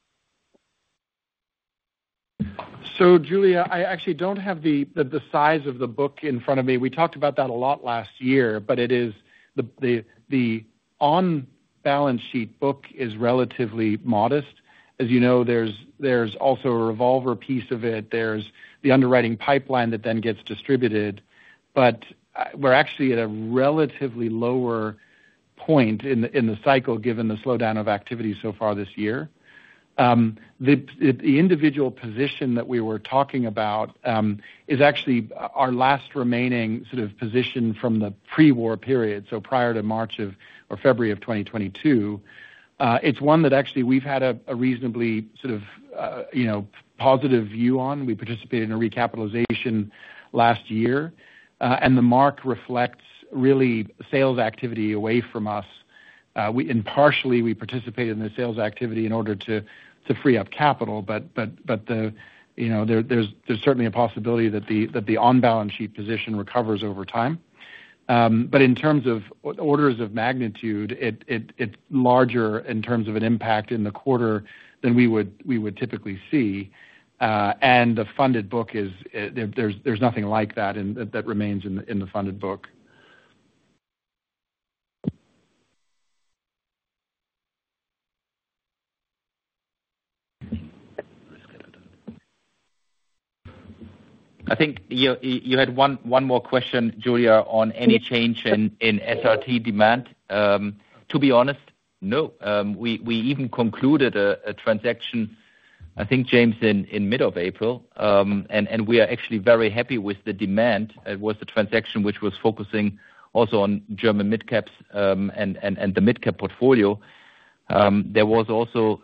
Speaker 4: Giulia, I actually do not have the size of the book in front of me. We talked about that a lot last year, but the on-balance sheet book is relatively modest. As you know, there is also a revolver piece of it. There is the underwriting pipeline that then gets distributed, but we are actually at a relatively lower point in the cycle given the slowdown of activity so far this year. The individual position that we were talking about is actually our last remaining sort of position from the pre-war period, so prior to March or February of 2022. It is one that actually we have had a reasonably sort of positive view on. We participated in a recapitalization last year, and the mark reflects really sales activity away from us. Partially, we participated in the sales activity in order to free up capital, but there is certainly a possibility that the on-balance sheet position recovers over time. In terms of orders of magnitude, it is larger in terms of an impact in the quarter than we would typically see. The funded book, there is nothing like that that remains in the funded book.
Speaker 3: I think you had one more question, Giulia, on any change in SRT demand. To be honest, no. We even concluded a transaction, I think, James, in mid of April, and we are actually very happy with the demand. It was a transaction which was focusing also on German midcaps and the midcap portfolio. There was also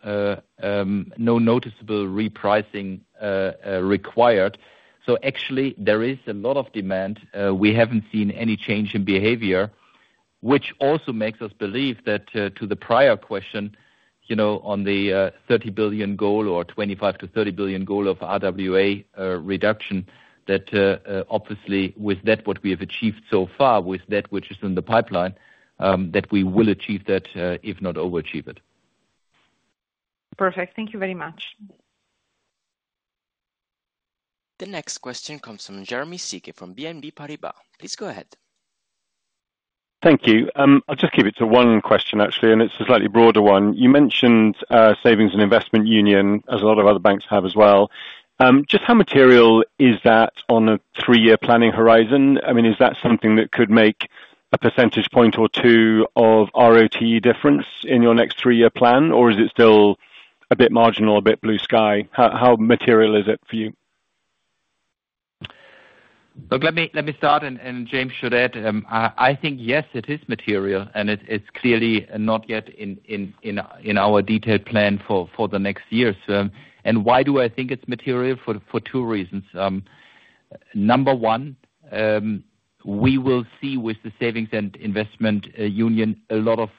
Speaker 3: no noticeable repricing required. Actually, there is a lot of demand. We haven't seen any change in behavior, which also makes us believe that to the prior question on the 30 billion goal or 25-30 billion goal of RWA reduction, that obviously with that, what we have achieved so far with that which is in the pipeline, that we will achieve that, if not overachieve it.
Speaker 13: Perfect. Thank you very much.
Speaker 1: The next question comes from Jeremy Sigee from BNP Paribas. Please go ahead.
Speaker 14: Thank you. I'll just keep it to one question, actually, and it's a slightly broader one. You mentioned Savings and Investment Union, as a lot of other banks have as well. Just how material is that on a three-year planning horizon? I mean, is that something that could make a percentage point or two of RoTE difference in your next three-year plan, or is it still a bit marginal, a bit blue sky? How material is it for you?
Speaker 3: Look, let me start, and James should add. I think, yes, it is material, and it's clearly not yet in our detailed plan for the next year. Why do I think it's material? For two reasons. Number one, we will see with the Savings and Investment Union a lot of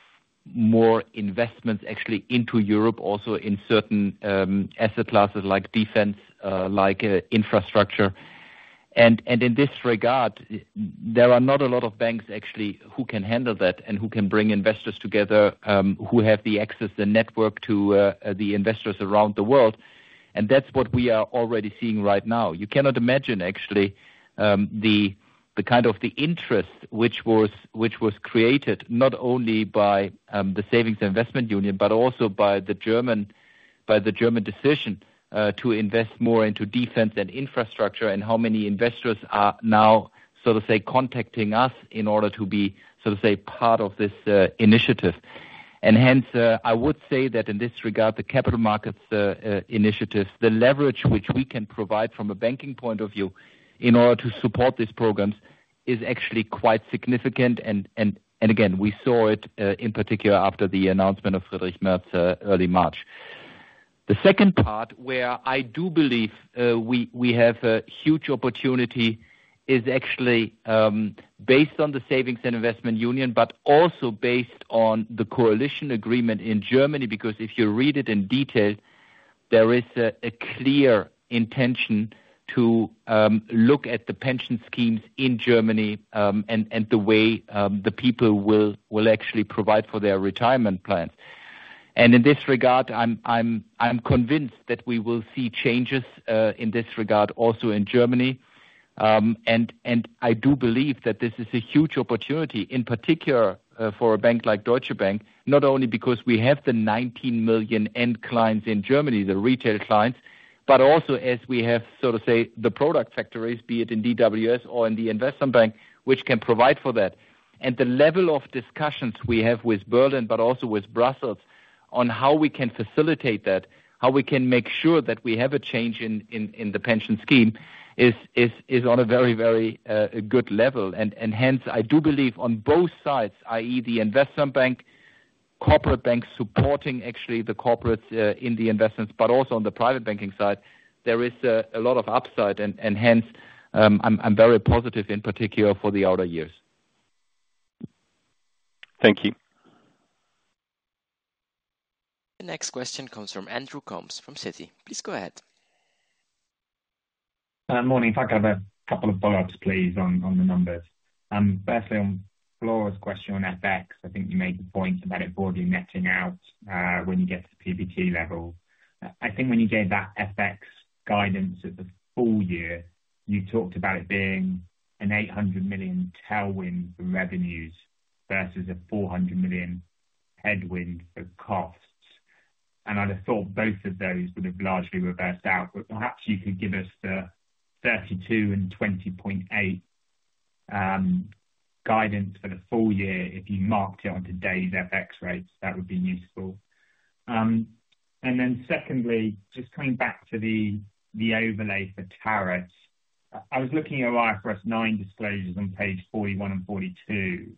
Speaker 3: more investments actually into Europe, also in certain asset classes like defense, like infrastructure. In this regard, there are not a lot of banks actually who can handle that and who can bring investors together who have the access, the network to the investors around the world. That's what we are already seeing right now. You cannot imagine actually the kind of interest which was created not only by the Savings and Investment Union, but also by the German decision to invest more into defense and infrastructure and how many investors are now sort of say contacting us in order to be sort of say part of this initiative. I would say that in this regard, the capital markets initiatives, the leverage which we can provide from a banking point of view in order to support these programs is actually quite significant. Again, we saw it in particular after the announcement of Friedrich Merz early March. The second part where I do believe we have a huge opportunity is actually based on the Savings and Investment Union, but also based on the coalition agreement in Germany, because if you read it in detail, there is a clear intention to look at the pension schemes in Germany and the way the people will actually provide for their retirement plans. In this regard, I'm convinced that we will see changes in this regard also in Germany. I do believe that this is a huge opportunity, in particular for a bank like Deutsche Bank, not only because we have the 19 million end clients in Germany, the retail clients, but also as we have sort of say the product factories, be it in DWS or in the investment bank, which can provide for that. The level of discussions we have with Berlin, but also with Brussels on how we can facilitate that, how we can make sure that we have a change in the pension scheme is on a very, very good level. Hence, I do believe on both sides, i.e., the investment bank, corporate bank supporting actually the corporates in the investments, but also on the private banking side, there is a lot of upside. Hence, I'm very positive in particular for the outer years.
Speaker 14: Thank you.
Speaker 1: The next question comes from Andrew Coombs from Citi. Please go ahead.
Speaker 15: Morning. If I could have a couple of follow-ups, please, on the numbers. Firstly, on Flora's question on FX, I think you made the point about it broadly messing out when you get to the PBT level. I think when you gave that FX guidance at the full year, you talked about it being an 800 million tailwind for revenues versus an 400 million headwind for costs. I would have thought both of those would have largely reversed out, but perhaps you could give us the 32 million and 20.8 million guidance for the full year if you marked it on today's FX rates. That would be useful. Secondly, just coming back to the overlay for tariffs, I was looking at your IFRS 9 disclosures on page 41 and 42,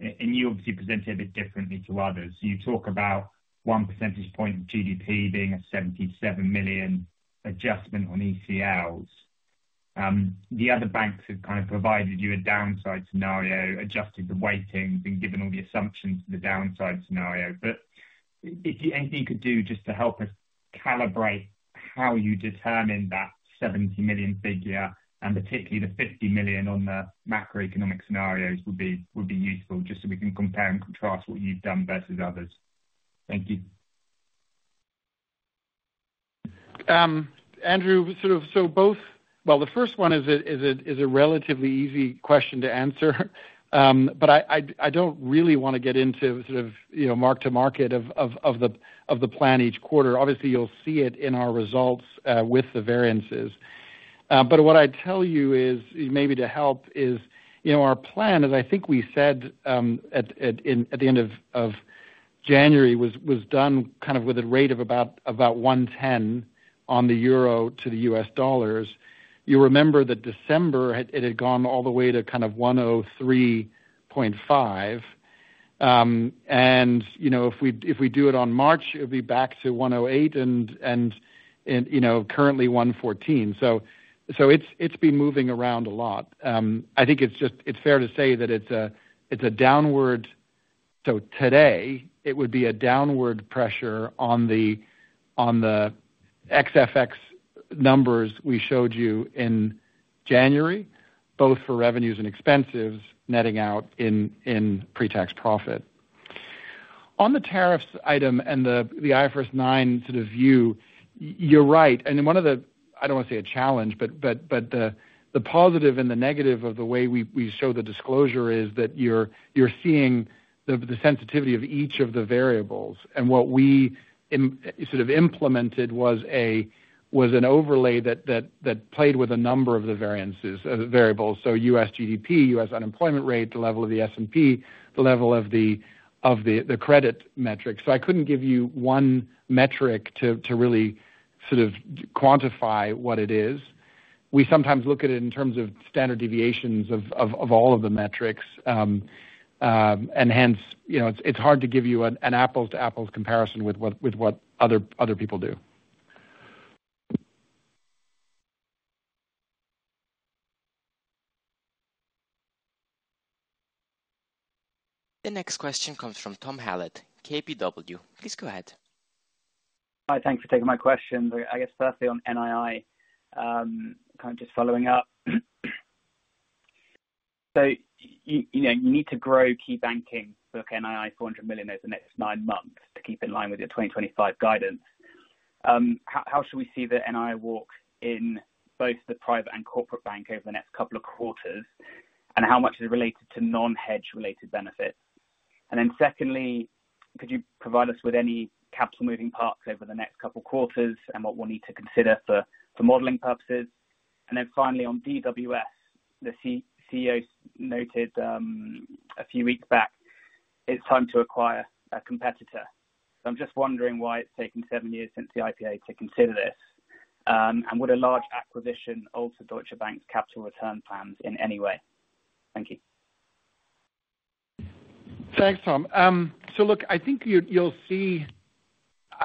Speaker 15: and you obviously presented it differently to others. You talk about one percentage point of GDP being a 77 million adjustment on ECLs. The other banks have kind of provided you a downside scenario, adjusted the weightings, and given all the assumptions for the downside scenario. If you could do just to help us calibrate how you determine that 70 million figure, and particularly the 50 million on the macroeconomic scenarios, would be useful just so we can compare and contrast what you've done versus others. Thank you.
Speaker 4: Andrew, sort of so both, the first one is a relatively easy question to answer, but I don't really want to get into sort of mark to market of the plan each quarter. Obviously, you'll see it in our results with the variances. What I'd tell you is, maybe to help, is our plan, as I think we said at the end of January, was done kind of with a rate of about 1.10 on the euro to the US dollar. You remember that December, it had gone all the way to kind of 1.035. If we do it on March, it would be back to 1.08 and currently 1.14. It has been moving around a lot. I think it is fair to say that it is a downward. Today, it would be a downward pressure on the FX numbers we showed you in January, both for revenues and expenses netting out in pre-tax profit. On the tariffs item and the IFRS 9 sort of view, you are right. One of the, I do not want to say a challenge, but the positive and the negative of the way we show the disclosure is that you are seeing the sensitivity of each of the variables. What we implemented was an overlay that played with a number of the variances, variables. US GDP, US unemployment rate, the level of the S&P, the level of the credit metric. I could not give you one metric to really sort of quantify what it is. We sometimes look at it in terms of standard deviations of all of the metrics. Hence, it is hard to give you an apples-to-apples comparison with what other people do.
Speaker 1: The next question comes from Tom Hallett, KPW. Please go ahead.
Speaker 16: Hi. Thanks for taking my question. I guess firstly on NII, kind of just following up. You need to grow key banking for NII 400 million over the next nine months to keep in line with your 2025 guidance. How should we see the NII walk in both the private and corporate bank over the next couple of quarters, and how much is it related to non-hedge-related benefits? Secondly, could you provide us with any capital moving parts over the next couple of quarters and what we will need to consider for modeling purposes? Finally, on DWS, the CEO noted a few weeks back, it is time to acquire a competitor. I am just wondering why it has taken seven years since the IPO to consider this, and would a large acquisition alter Deutsche Bank's capital return plans in any way? Thank you.
Speaker 4: Thanks, Tom. I think you will see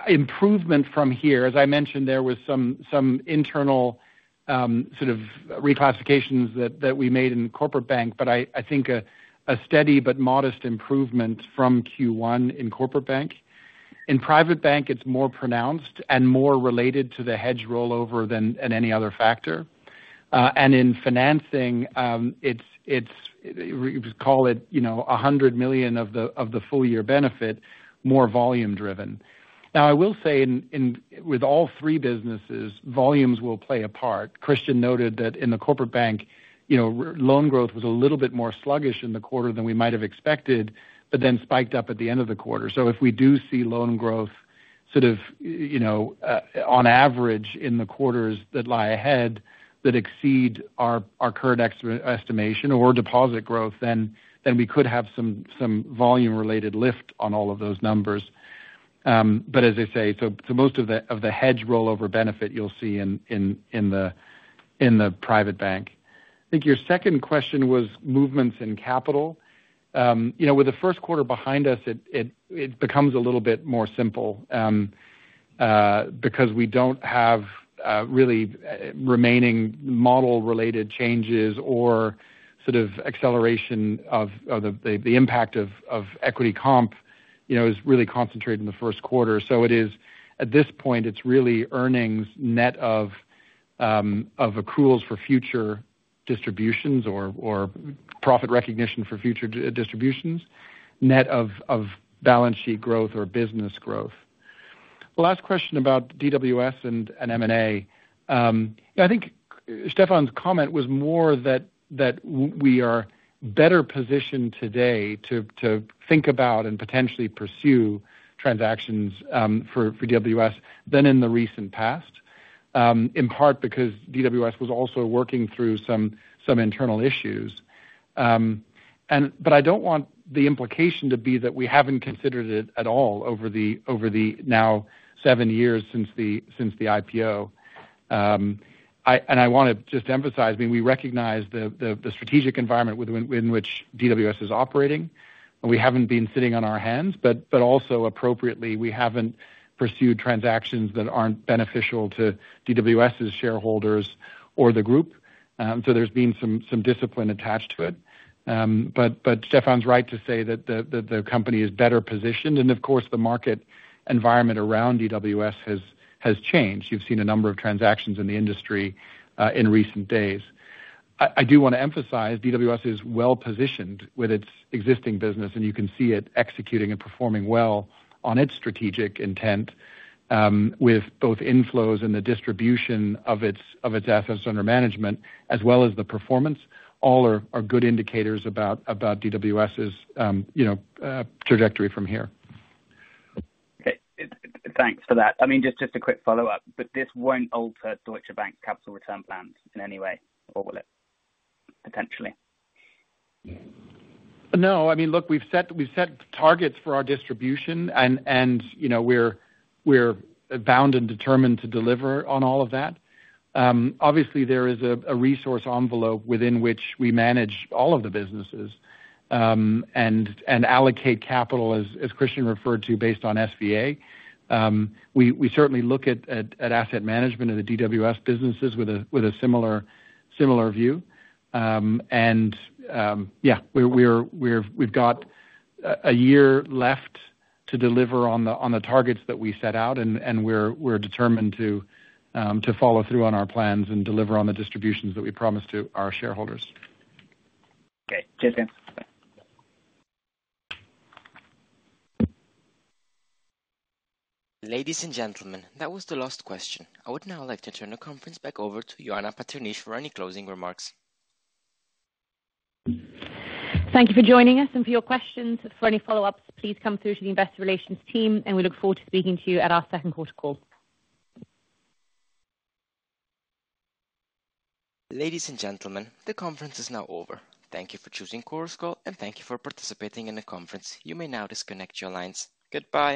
Speaker 4: improvement from here. As I mentioned, there were some internal sort of reclassifications that we made in corporate bank, but I think a steady but modest improvement from Q1 in corporate bank. In private bank, it is more pronounced and more related to the hedge rollover than any other factor. In financing, we call it 100 million of the full-year benefit, more volume-driven. Now, I will say with all three businesses, volumes will play a part. Christian noted that in the corporate bank, loan growth was a little bit more sluggish in the quarter than we might have expected, but then spiked up at the end of the quarter. If we do see loan growth sort of on average in the quarters that lie ahead that exceed our current estimation or deposit growth, we could have some volume-related lift on all of those numbers. As I say, most of the hedge rollover benefit you'll see in the private bank. I think your second question was movements in capital. With the first quarter behind us, it becomes a little bit more simple because we do not have really remaining model-related changes or sort of acceleration of the impact of equity comp is really concentrated in the first quarter. At this point, it's really earnings net of accruals for future distributions or profit recognition for future distributions, net of balance sheet growth or business growth. Last question about DWS and M&A. I think Stefan's comment was more that we are better positioned today to think about and potentially pursue transactions for DWS than in the recent past, in part because DWS was also working through some internal issues. I don't want the implication to be that we haven't considered it at all over the now seven years since the IPO. I want to just emphasize, I mean, we recognize the strategic environment in which DWS is operating, and we haven't been sitting on our hands, but also appropriately, we haven't pursued transactions that aren't beneficial to DWS's shareholders or the group. There's been some discipline attached to it. Stefan's right to say that the company is better positioned. Of course, the market environment around DWS has changed. You've seen a number of transactions in the industry in recent days. I do want to emphasize DWS is well-positioned with its existing business, and you can see it executing and performing well on its strategic intent with both inflows and the distribution of its assets under management, as well as the performance. All are good indicators about DWS's trajectory from here.
Speaker 16: Thanks for that. I mean, just a quick follow-up, but this won't alter Deutsche Bank's capital return plans in any way, or will it potentially?
Speaker 4: No. I mean, look, we've set targets for our distribution, and we're bound and determined to deliver on all of that. Obviously, there is a resource envelope within which we manage all of the businesses and allocate capital, as Christian referred to, based on SVA. We certainly look at asset management of the DWS businesses with a similar view. Yeah, we've got a year left to deliver on the targets that we set out, and we're determined to follow through on our plans and deliver on the distributions that we promised to our shareholders.
Speaker 16: Okay. Cheers again.
Speaker 1: Ladies and gentlemen, that was the last question. I would now like to turn the conference back over to Ioana Patriniche for any closing remarks.
Speaker 2: Thank you for joining us, and for your questions. For any follow-ups, please come through to the investor relations team, and we look forward to speaking to you at our second quarter call.
Speaker 1: Ladies and gentlemen, the conference is now over. Thank you for choosing ChorusCall, and thank you for participating in the conference. You may now disconnect your lines. Goodbye.